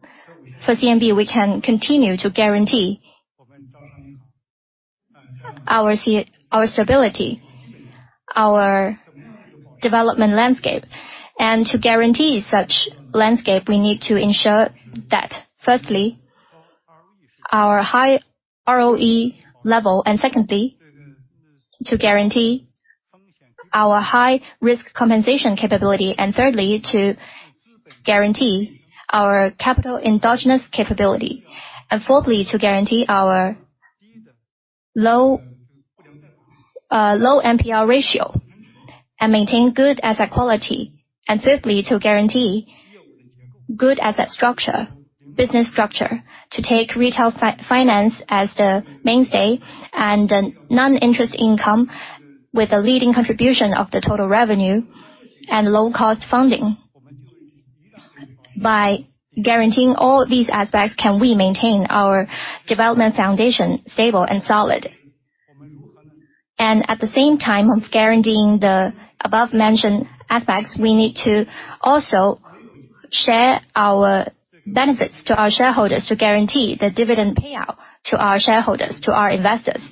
for CMB, we can continue to guarantee our stability, our development landscape. To guarantee such landscape, we need to ensure that firstly, our high ROE level, and secondly, to guarantee our high-risk compensation capability, and thirdly, to guarantee our capital endogenous capability. Fourthly, to guarantee our low, low NPL ratio and maintain good asset quality. Fifthly, to guarantee good asset structure, business structure, to take retail finance as the mainstay and the non-interest income with a leading contribution of the total revenue and low cost funding. By guaranteeing all these aspects, we can maintain our development foundation stable and solid. And at the same time, of guaranteeing the above mentioned aspects, we need to also share our benefits to our shareholders to guarantee the dividend payout to our shareholders, to our investors,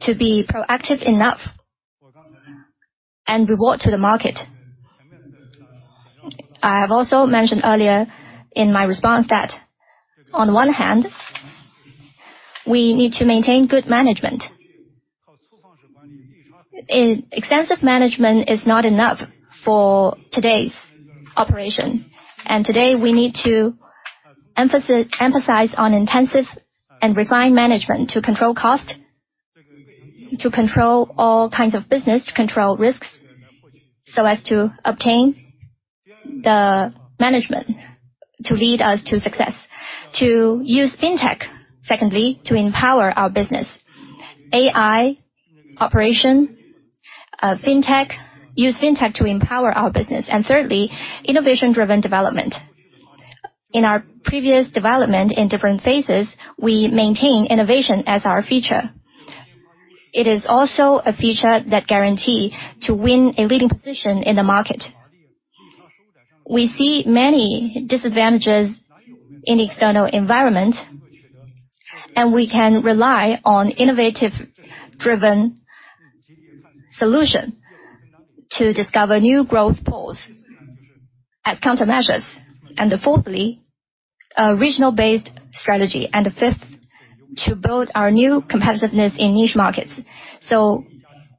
to be proactive enough and reward to the market. I have also mentioned earlier in my response that on one hand, we need to maintain good management. Extensive management is not enough for today's operation, and today, we need to emphasize on intensive and refined management to control costs, to control all kinds of business, to control risks, so as to obtain the management to lead us to success. To use Fintech, secondly, to empower our business. AI, operation, Fintech, use Fintech to empower our business. And thirdly, innovation-driven development. In our previous development in different phases, we maintain innovation as our feature. It is also a feature that guarantee to win a leading position in the market. We see many disadvantages in the external environment, and we can rely on innovative-driven solution to discover new growth poles at countermeasures. And fourthly, a regional-based strategy, and fifth, to build our new competitiveness in niche markets. So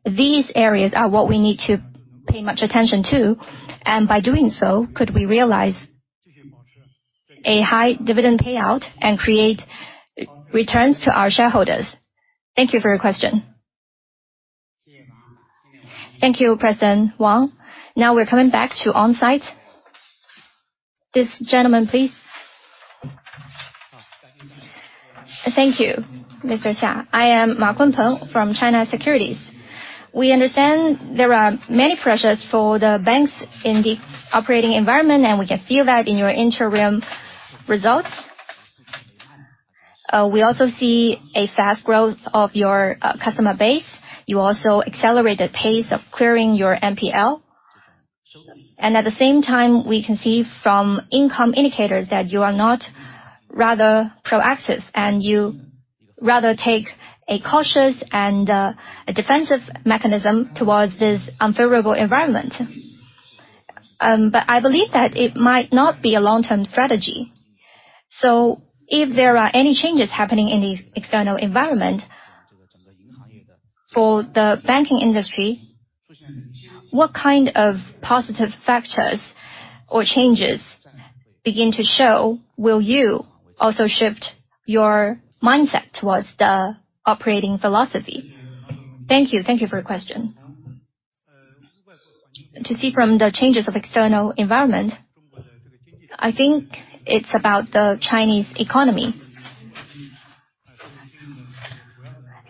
these areas are what we need to pay much attention to, and by doing so, could we realize a high dividend payout and create returns to our shareholders. Thank you for your question. Thank you, President Wang. Now we're coming back to on-site. This gentleman, please. Thank you, Mr. Xia. I am Ma Kunpeng from China Securities. We understand there are many pressures for the banks in the operating environment, and we can feel that in your interim results. We also see a fast growth of your customer base. You also accelerate the pace of clearing your NPL. And at the same time, we can see from income indicators that you are not rather proactive, and you rather take a cautious and a defensive mechanism towards this unfavorable environment. But I believe that it might not be a long-term strategy. So if there are any changes happening in the external environment for the banking industry, what kind of positive factors or changes begin to show, will you also shift your mindset towards the operating philosophy? Thank you. Thank you for your question. To see from the changes of external environment, I think it's about the Chinese economy.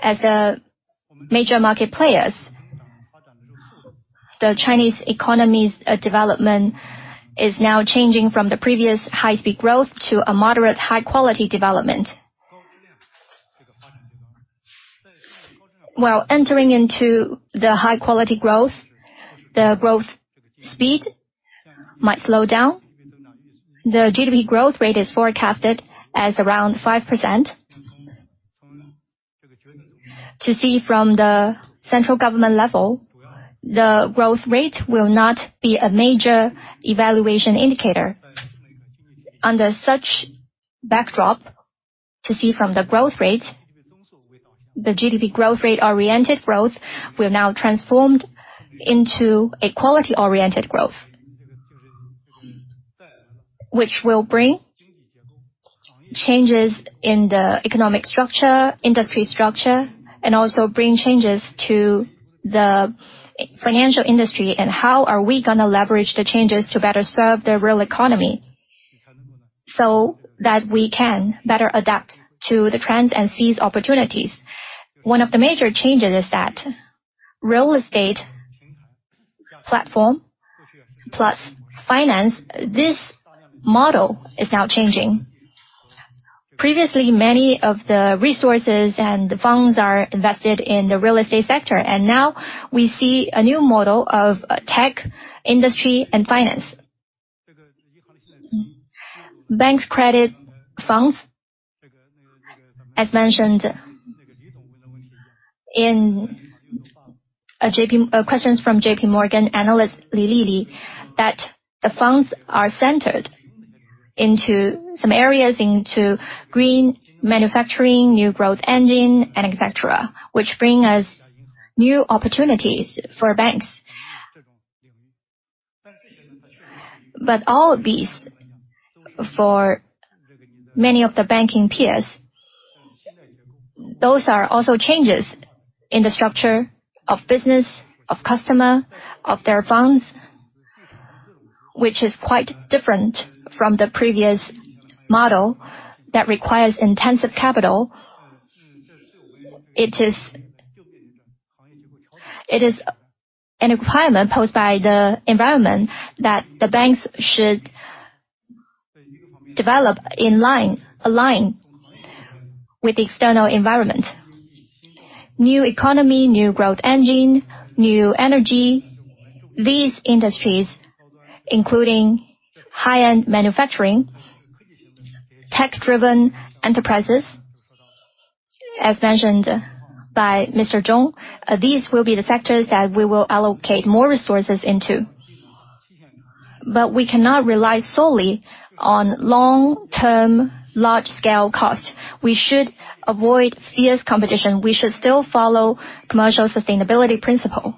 As a major market players, the Chinese economy's development is now changing from the previous high-speed growth to a moderate high-quality development. While entering into the high-quality growth, the growth speed might slow down. The GDP growth rate is forecasted as around 5%. To see from the central government level, the growth rate will not be a major evaluation indicator. Under such backdrop, to see from the growth rate, the GDP growth rate-oriented growth will now transformed into a quality-oriented growth. Which will bring changes in the economic structure, industry structure, and also bring changes to the financial industry, and how are we gonna leverage the changes to better serve the real economy, so that we can better adapt to the trends and seize opportunities? One of the major changes is that real estate platform plus finance, this model is now changing. Previously, many of the resources and the funds are invested in the real estate sector, and now we see a new model of tech, industry, and finance. Bank's credit funds, as mentioned in questions from JP Morgan analyst, Katherine Lei that the funds are centered into some areas, into green manufacturing, new growth engine, and et cetera, which bring us new opportunities for banks. But all these, for many of the banking peers, those are also changes in the structure of business, of customer, of their funds, which is quite different from the previous model that requires intensive capital. It is, it is a requirement posed by the environment that the banks should develop in line, align with the external environment. New economy, new growth engine, new energy, these industries, including high-end manufacturing, tech-driven enterprises, as mentioned by Mr. Zhong, these will be the factors that we will allocate more resources into. But we cannot rely solely on long-term, large-scale cost. We should avoid fierce competition. We should still follow commercial sustainability principle.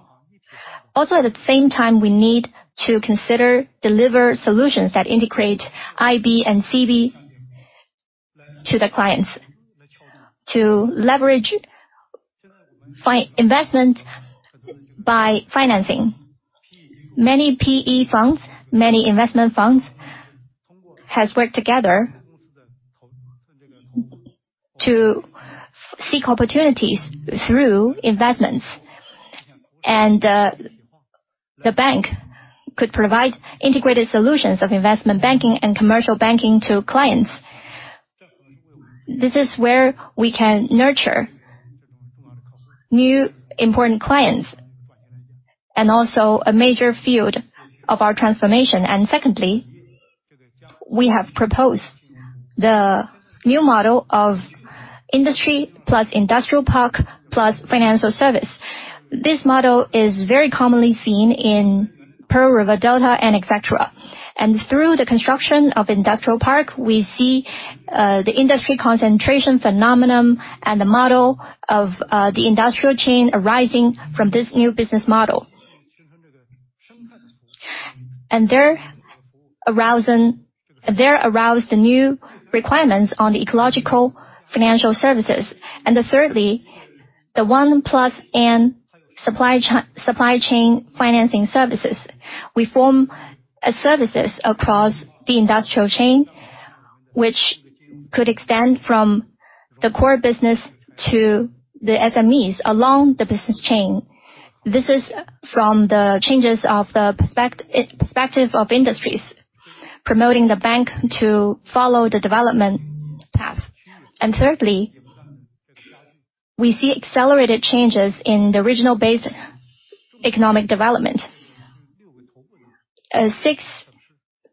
Also, at the same time, we need to consider deliver solutions that integrate IB and CB to the clients. To leverage investment by financing. Many PE funds, many investment funds, has worked together to seek opportunities through investments. And the bank could provide integrated solutions of investment banking and commercial banking to clients. This is where we can nurture new important clients, and also a major field of our transformation. And secondly, we have proposed the new model of industry, plus industrial park, plus financial service. This model is very commonly seen in Pearl River Delta and et cetera. Through the construction of industrial park, we see the industry concentration phenomenon and the model of the industrial chain arising from this new business model. And there arose the new requirements on the ecological financial services. And thirdly, the 1+N supply chain financing services. We form services across the industrial chain, which could extend from the core business to the SMEs along the business chain. This is from the changes of the perspective of industries, promoting the bank to follow the development path. And thirdly, we see accelerated changes in the regional base economic development. Six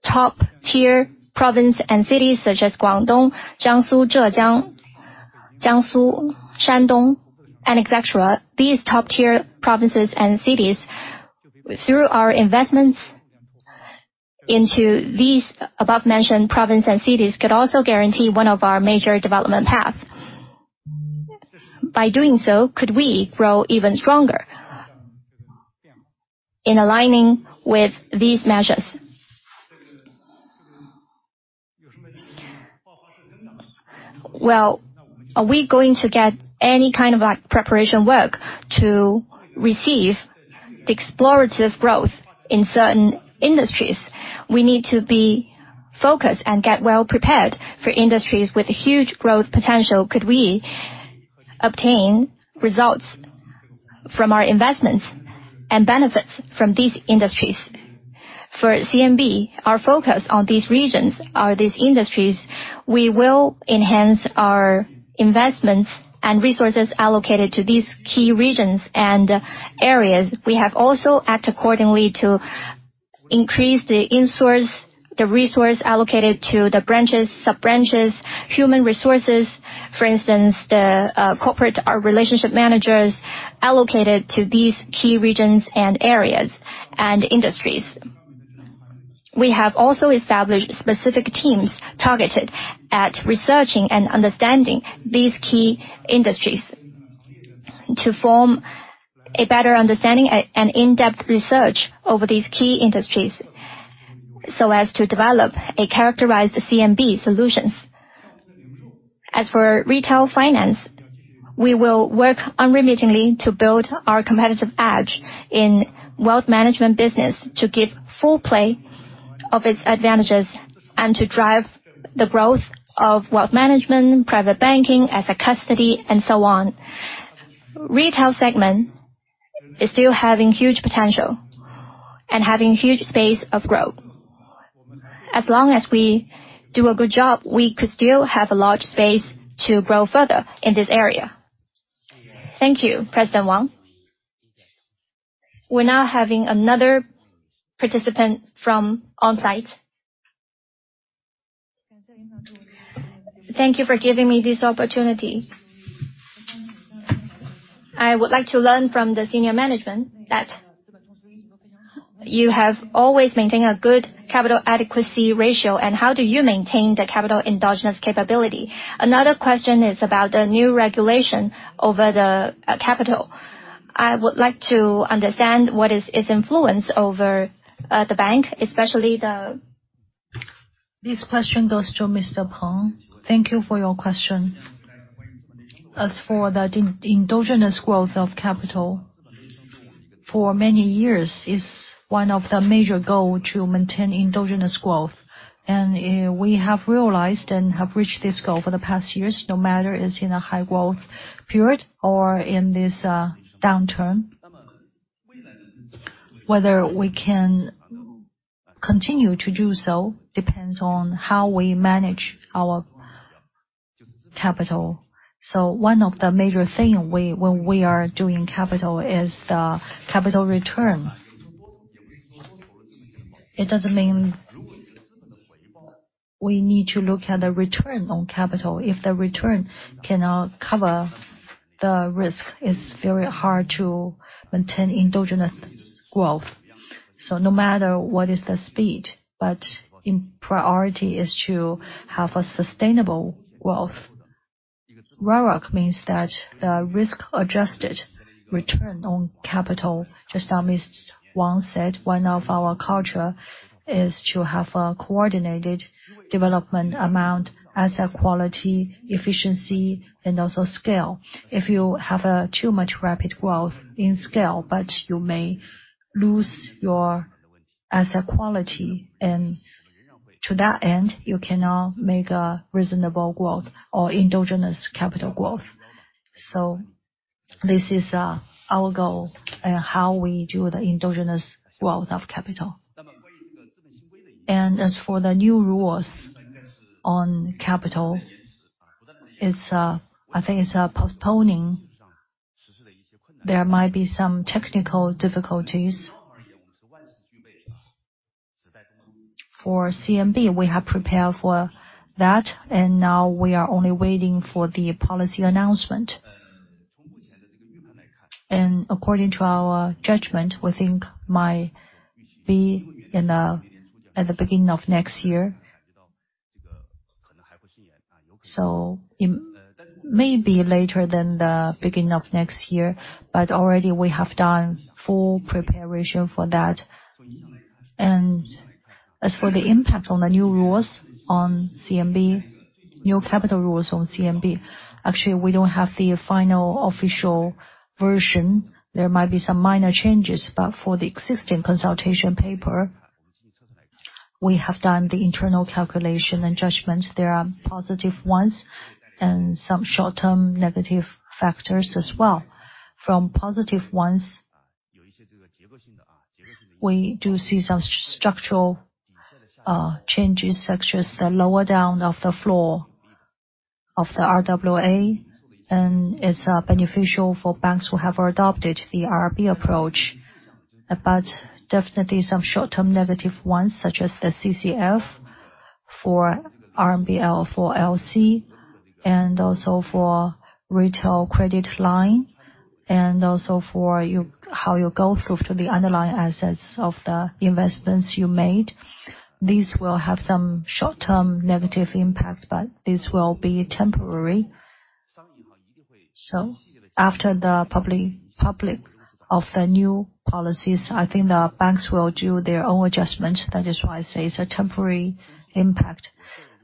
top-tier provinces and cities, such as Guangdong, Jiangsu, Zhejiang, Jiangsu, Shandong, and et cetera. These top-tier provinces and cities, through our investments into these above-mentioned provinces and cities, could also guarantee one of our major development path. By doing so, could we grow even stronger in aligning with these measures? Well, are we going to get any kind of, like, preparation work to receive the explorative growth in certain industries? We need to be focused and get well prepared for industries with huge growth potential. Could we obtain results from our investments and benefits from these industries? For CMB, our focus on these regions or these industries, we will enhance our investments and resources allocated to these key regions and areas. We have also act accordingly to increase the insource, the resource allocated to the branches, sub-branches, human resources. For instance, the corporate, our relationship managers allocated to these key regions and areas and industries. We have also established specific teams targeted at researching and understanding these key industries, to form a better understanding and in-depth research over these key industries, so as to develop a characterized CMB solutions. As for retail finance, we will work unremittingly to build our competitive edge in wealth management business, to give full play of its advantages, and to drive the growth of wealth management, private banking as a custody, and so on. Retail segment is still having huge potential and having huge space of growth. As long as we do a good job, we could still have a large space to grow further in this area. Thank you, President Wang. We're now having another participant from on-site. Thank you for giving me this opportunity. I would like to learn from the senior management that you have always maintained a good capital adequacy ratio, and how do you maintain the capital endogenous capability? Another question is about the new regulation over the capital. I would like to understand what is its influence over the bank, especially the- This question goes to Mr. Peng. Thank you for your question. As for the endogenous growth of capital, for many years, it's one of the major goal to maintain endogenous growth. We have realized and have reached this goal for the past years, no matter it's in a high growth period or in this downturn. Whether we can continue to do so, depends on how we manage our capital. So one of the major thing we when we are doing capital, is the capital return. It doesn't mean we need to look at the return on capital. If the return cannot cover the risk, it's very hard to maintain endogenous growth. So no matter what is the speed, but in priority is to have a sustainable growth.... RORAC means that the risk-adjusted return on capital. Just now, Mr. Wang said one of our culture is to have a coordinated development among asset quality, efficiency, and also scale. If you have too much rapid growth in scale, but you may lose your asset quality, and to that end, you cannot make a reasonable growth or endogenous capital growth. So this is our goal and how we do the endogenous growth of capital. And as for the new rules on capital, it's... I think it's postponing. There might be some technical difficulties. For CMB, we have prepared for that, and now we are only waiting for the policy announcement. And according to our judgment, we think might be in the at the beginning of next year. So it may be later than the beginning of next year, but already we have done full preparation for that. And as for the impact on the new rules on CMB, new capital rules on CMB, actually, we don't have the final official version. There might be some minor changes, but for the existing consultation paper, we have done the internal calculation and judgments. There are positive ones and some short-term negative factors as well. From positive ones, we do see some structural changes, such as the lower down of the floor of the RWA, and it's beneficial for banks who have adopted the IRB approach. But definitely some short-term negative ones, such as the CCF for RMBL, for LC, and also for retail credit line, and also for you-- how you go through to the underlying assets of the investments you made. These will have some short-term negative impact, but this will be temporary. So after the public of the new policies, I think the banks will do their own adjustment. That is why I say it's a temporary impact.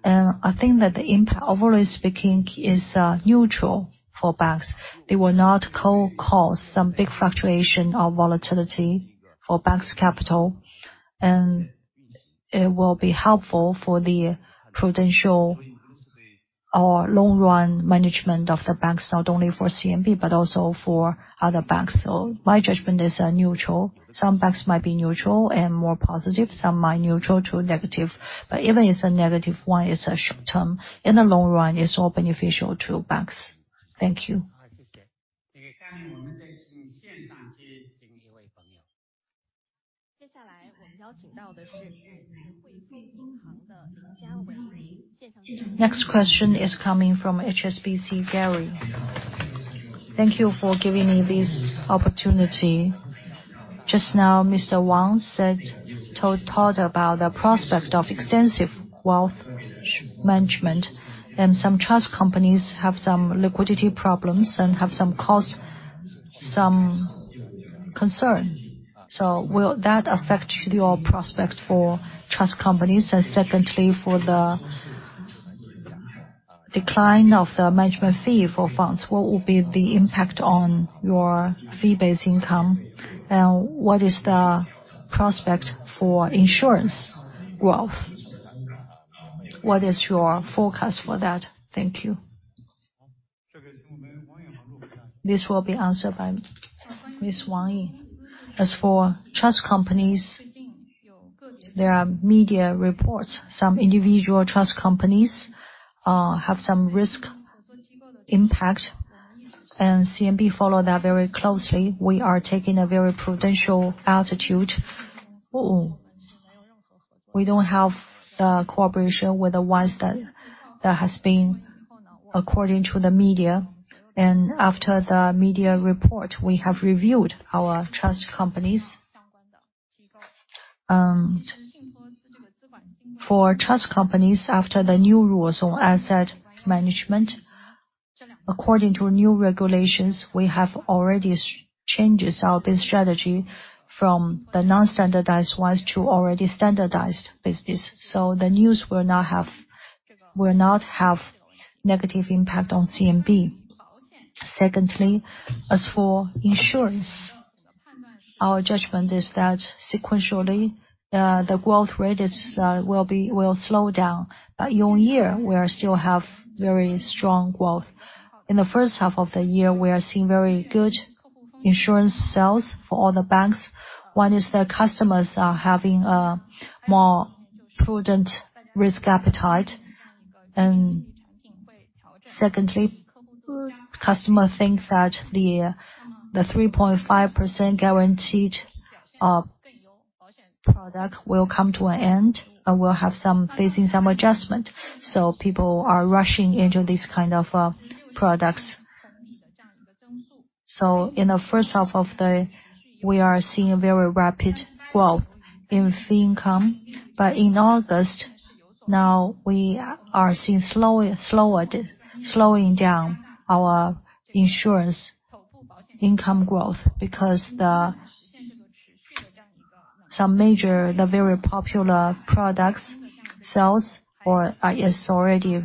I think that the impact, overall speaking, is neutral for banks. They will not co-cause some big fluctuation or volatility for banks' capital, and it will be helpful for the prudential or long-run management of the banks, not only for CMB, but also for other banks. So my judgment is neutral. Some banks might be neutral and more positive, some might neutral to negative, but even it's a negative one, it's a short term. In the long run, it's all beneficial to banks. Thank you. Next question is coming from HSBC, Gary. Thank you for giving me this opportunity. Just now, Mr. Wang talked about the prospect of extensive wealth management, and some trust companies have some liquidity problems and have some cause, some concern. So will that affect your prospect for trust companies? And secondly, for the decline of the management fee for funds, what will be the impact on your fee-based income? And what is the prospect for insurance growth? What is your forecast for that? Thank you. This will be answered by Ms. Wang Ying. As for trust companies, there are media reports. Some individual trust companies have some risk impact, and CMB follow that very closely. We are taking a very prudential attitude. We don't have cooperation with the ones that has been according to the media. And after the media report, we have reviewed our trust companies. For trust companies, after the new rules on asset management, according to new regulations, we have already changed our business strategy from the non-standardized ones to already standardized business. So the news will not have negative impact on CMB. Secondly, as for insurance, our judgment is that sequentially, the growth rate will slow down. But year-on-year, we are still have very strong growth. In the first half of the year, we are seeing very good insurance sales for all the banks. One is the customers are having a more prudent risk appetite. And secondly, customers think that the 3.5% guaranteed product will come to an end and will face some adjustment. So people are rushing into these kind of products. So in the first half of the year, we are seeing a very rapid growth in fee income. But in August, now we are seeing slower, slowing down our insurance income growth, because some major, the very popular products sales have already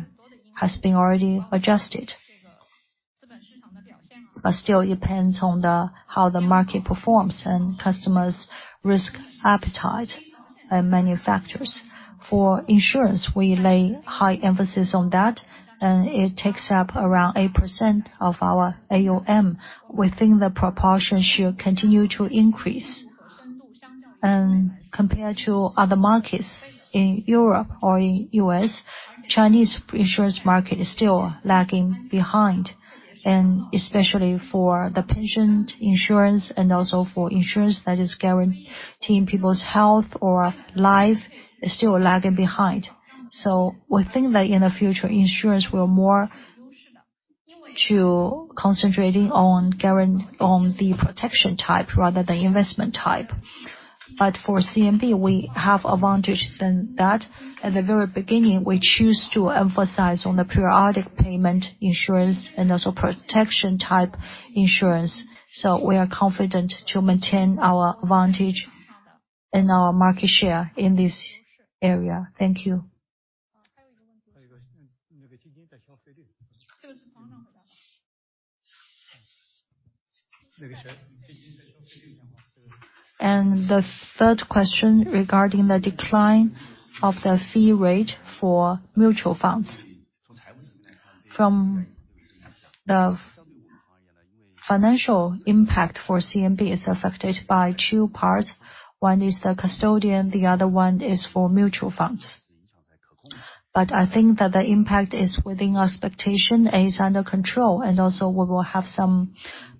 been adjusted. But still, it depends on how the market performs and customers' risk appetite and many factors. For insurance, we lay high emphasis on that, and it takes up around 8% of our AUM. We think the proportion should continue to increase. Compared to other markets in Europe or in the U.S., Chinese insurance market is still lagging behind, and especially for the pension insurance and also for insurance that is guaranteeing people's health or life, is still lagging behind. So we think that in the future, insurance will move to concentrating on guarantee on the protection type rather than investment type. But for CMB, we have advantage than that. At the very beginning, we choose to emphasize on the periodic payment insurance and also protection type insurance. So we are confident to maintain our advantage and our market share in this area. Thank you. And the third question regarding the decline of the fee rate for mutual funds. The financial impact for CMB is affected by two parts. One is the custodian, the other one is for mutual funds. But I think that the impact is within expectation, it is under control, and also we will have some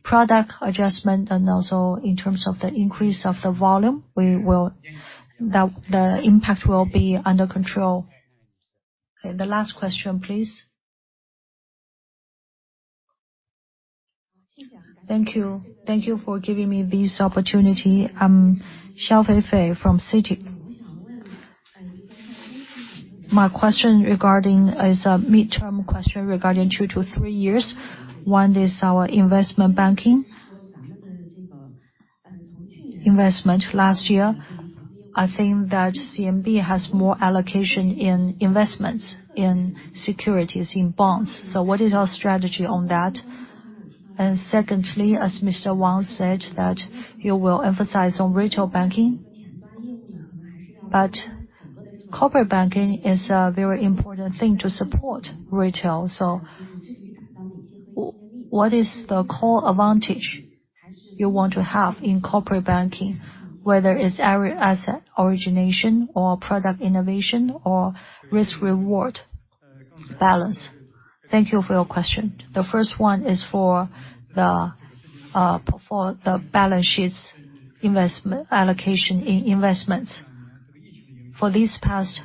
product adjustment, and also in terms of the increase of the volume, the impact will be under control. Okay, the last question, please. Thank you. Thank you for giving me this opportunity. I'm Wei Xiaopo from Citi. My question regarding is a midterm question regarding 2-3 years. One is our investment banking. Investment last year, I think that CMB has more allocation in investments, in securities, in bonds. So what is our strategy on that? And secondly, as Mr. Wang said, that you will emphasize on retail banking, but corporate banking is a very important thing to support retail. So what is the core advantage you want to have in corporate banking, whether it's asset origination or product innovation or risk-reward balance? Thank you for your question. The first one is for the, for the balance sheets investment allocation in investments. For these past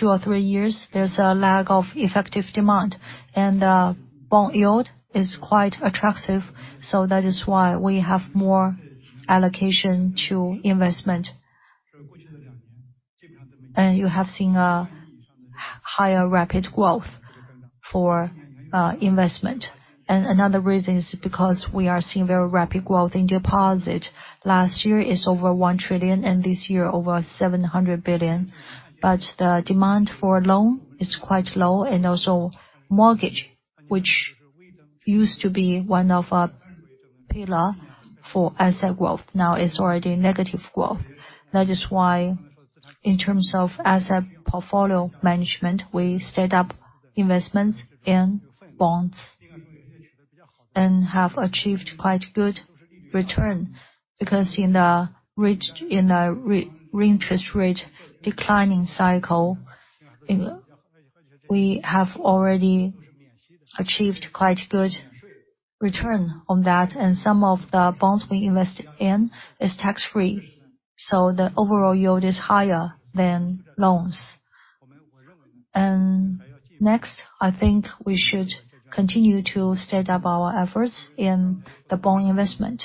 2-3 years, there's a lack of effective demand, and, bond yield is quite attractive, so that is why we have more allocation to investment. You have seen a higher rapid growth for investment. Another reason is because we are seeing very rapid growth in deposit. Last year, it's over 1 trillion, and this year, over 700 billion. But the demand for loan is quite low, and also mortgage, which used to be one of our pillar for asset growth, now is already negative growth. That is why, in terms of asset portfolio management, we stayed up investments in bonds and have achieved quite good return. Because in the interest rate declining cycle, we have already achieved quite good return on that, and some of the bonds we invest in is tax-free, so the overall yield is higher than loans. Next, I think we should continue to stay up our efforts in the bond investment.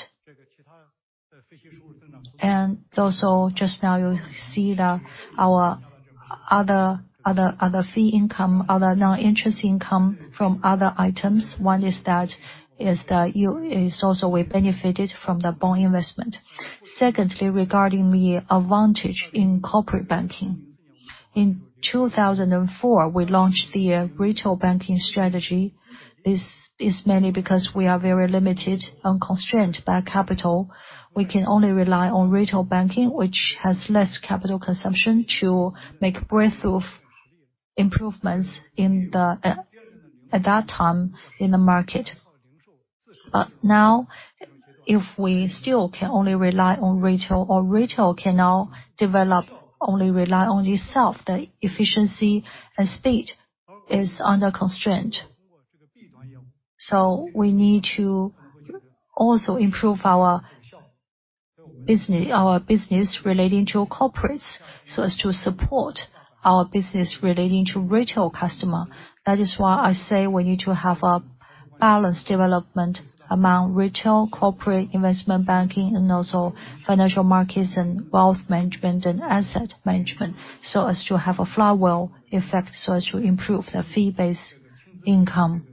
And also, just now, you see our other fee income, other non-interest income from other items. One is that we also benefited from the bond investment. Secondly, regarding the advantage in corporate banking. In 2004, we launched the retail banking strategy. This is mainly because we are very limited and constrained by capital. We can only rely on retail banking, which has less capital consumption, to make breakthrough improvements in the market at that time. But now, if we still can only rely on retail or retail cannot develop, only rely on itself, the efficiency and speed is under constraint. So we need to also improve our business, our business relating to corporates, so as to support our business relating to retail customer. That is why I say we need to have a balanced development among retail, corporate, investment banking, and also financial markets, and wealth management, and asset management, so as to have a flywheel effect, so as to improve the fee-based income.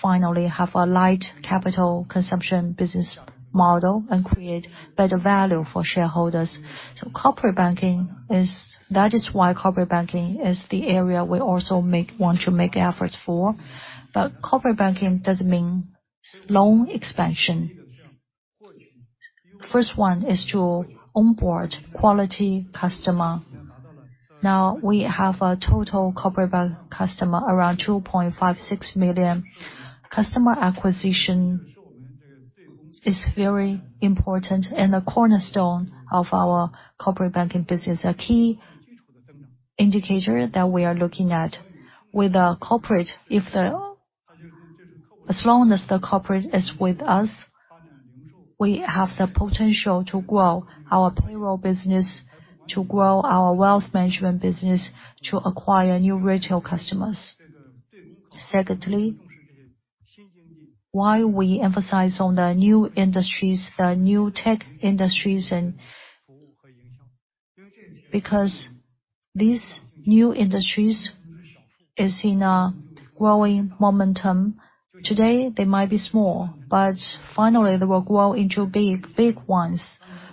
Finally, have a light capital consumption business model and create better value for shareholders. So corporate banking is the area we also want to make efforts for. But corporate banking doesn't mean loan expansion. First one is to onboard quality customer. Now, we have a total corporate bank customer, around 2.56 million. Customer acquisition is very important, and the cornerstone of our corporate banking business, a key indicator that we are looking at. With the corporate, if the... As long as the corporate is with us, we have the potential to grow our payroll business, to grow our wealth management business, to acquire new retail customers. Secondly, why we emphasize on the new industries, the new tech industries and... Because these new industries is in a growing momentum. Today, they might be small, but finally, they will grow into big, big ones.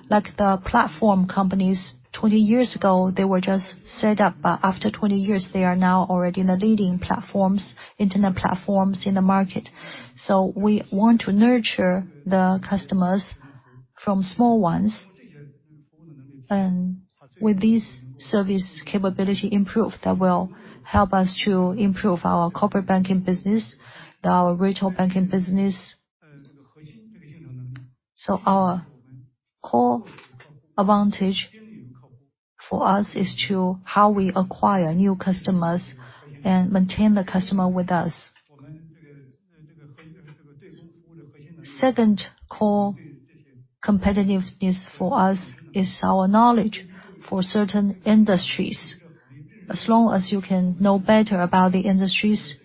Like the platform companies, 20 years ago, they were just set up, but after 20 years, they are now already the leading platforms, internet platforms in the market. So we want to nurture the customers from small ones. And with this service capability improved, that will help us to improve our corporate banking business, our retail banking business. So our core advantage for us is to how we acquire new customers and maintain the customer with us. Second core competitiveness for us is our knowledge for certain industries. As long as you can know better about the industries,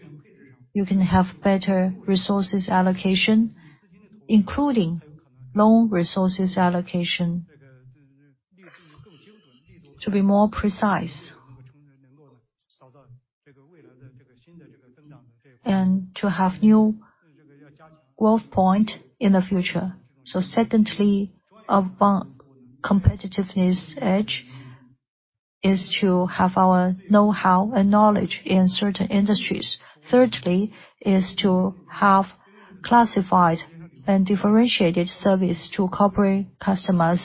you can have better resources allocation, including loan resources allocation, to be more precise. And to have new growth point in the future. So secondly, our bank competitiveness edge is to have our know-how and knowledge in certain industries. Thirdly, is to have classified and differentiated service to corporate customers.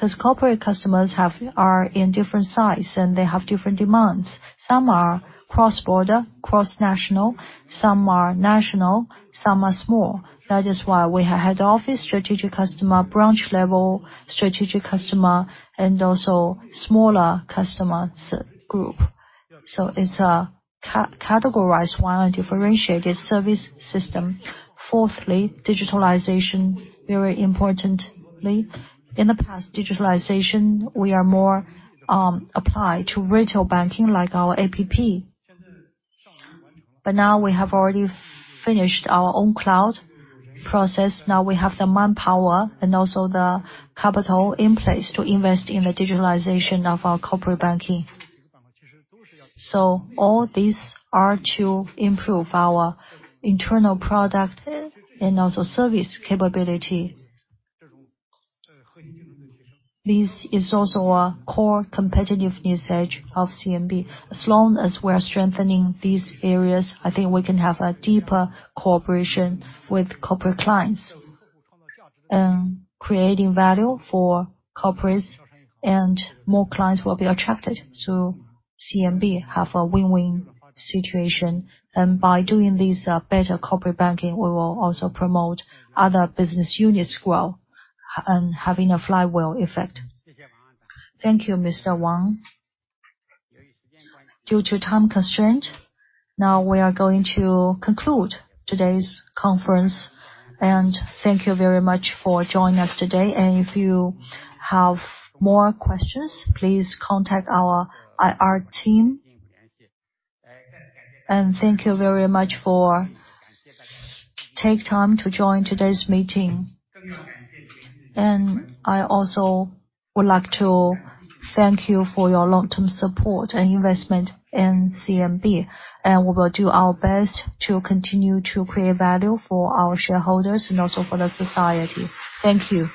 These corporate customers are in different size, and they have different demands. Some are cross-border, cross-national, some are national, some are small. That is why we have head office, strategic customer, branch level, strategic customer, and also smaller customers group. So it's a categorized one, a differentiated service system. Fourthly, digitalization, very importantly. In the past, digitalization, we are more applied to retail banking, like our APP. But now we have already finished our own cloud process. Now we have the manpower and also the capital in place to invest in the digitalization of our corporate banking. So all these are to improve our internal product and also service capability. This is also a core competitiveness edge of CMB. As long as we are strengthening these areas, I think we can have a deeper cooperation with corporate clients, creating value for corporates, and more clients will be attracted to CMB, have a win-win situation. And by doing this, better corporate banking, we will also promote other business units grow and having a flywheel effect. Thank you, Mr. Wang. Due to time constraint, now we are going to conclude today's conference, and thank you very much for joining us today. And if you have more questions, please contact our IR team. Thank you very much for take time to join today's meeting. I also would like to thank you for your long-term support and investment in CMB, and we will do our best to continue to create value for our shareholders and also for the society. Thank you.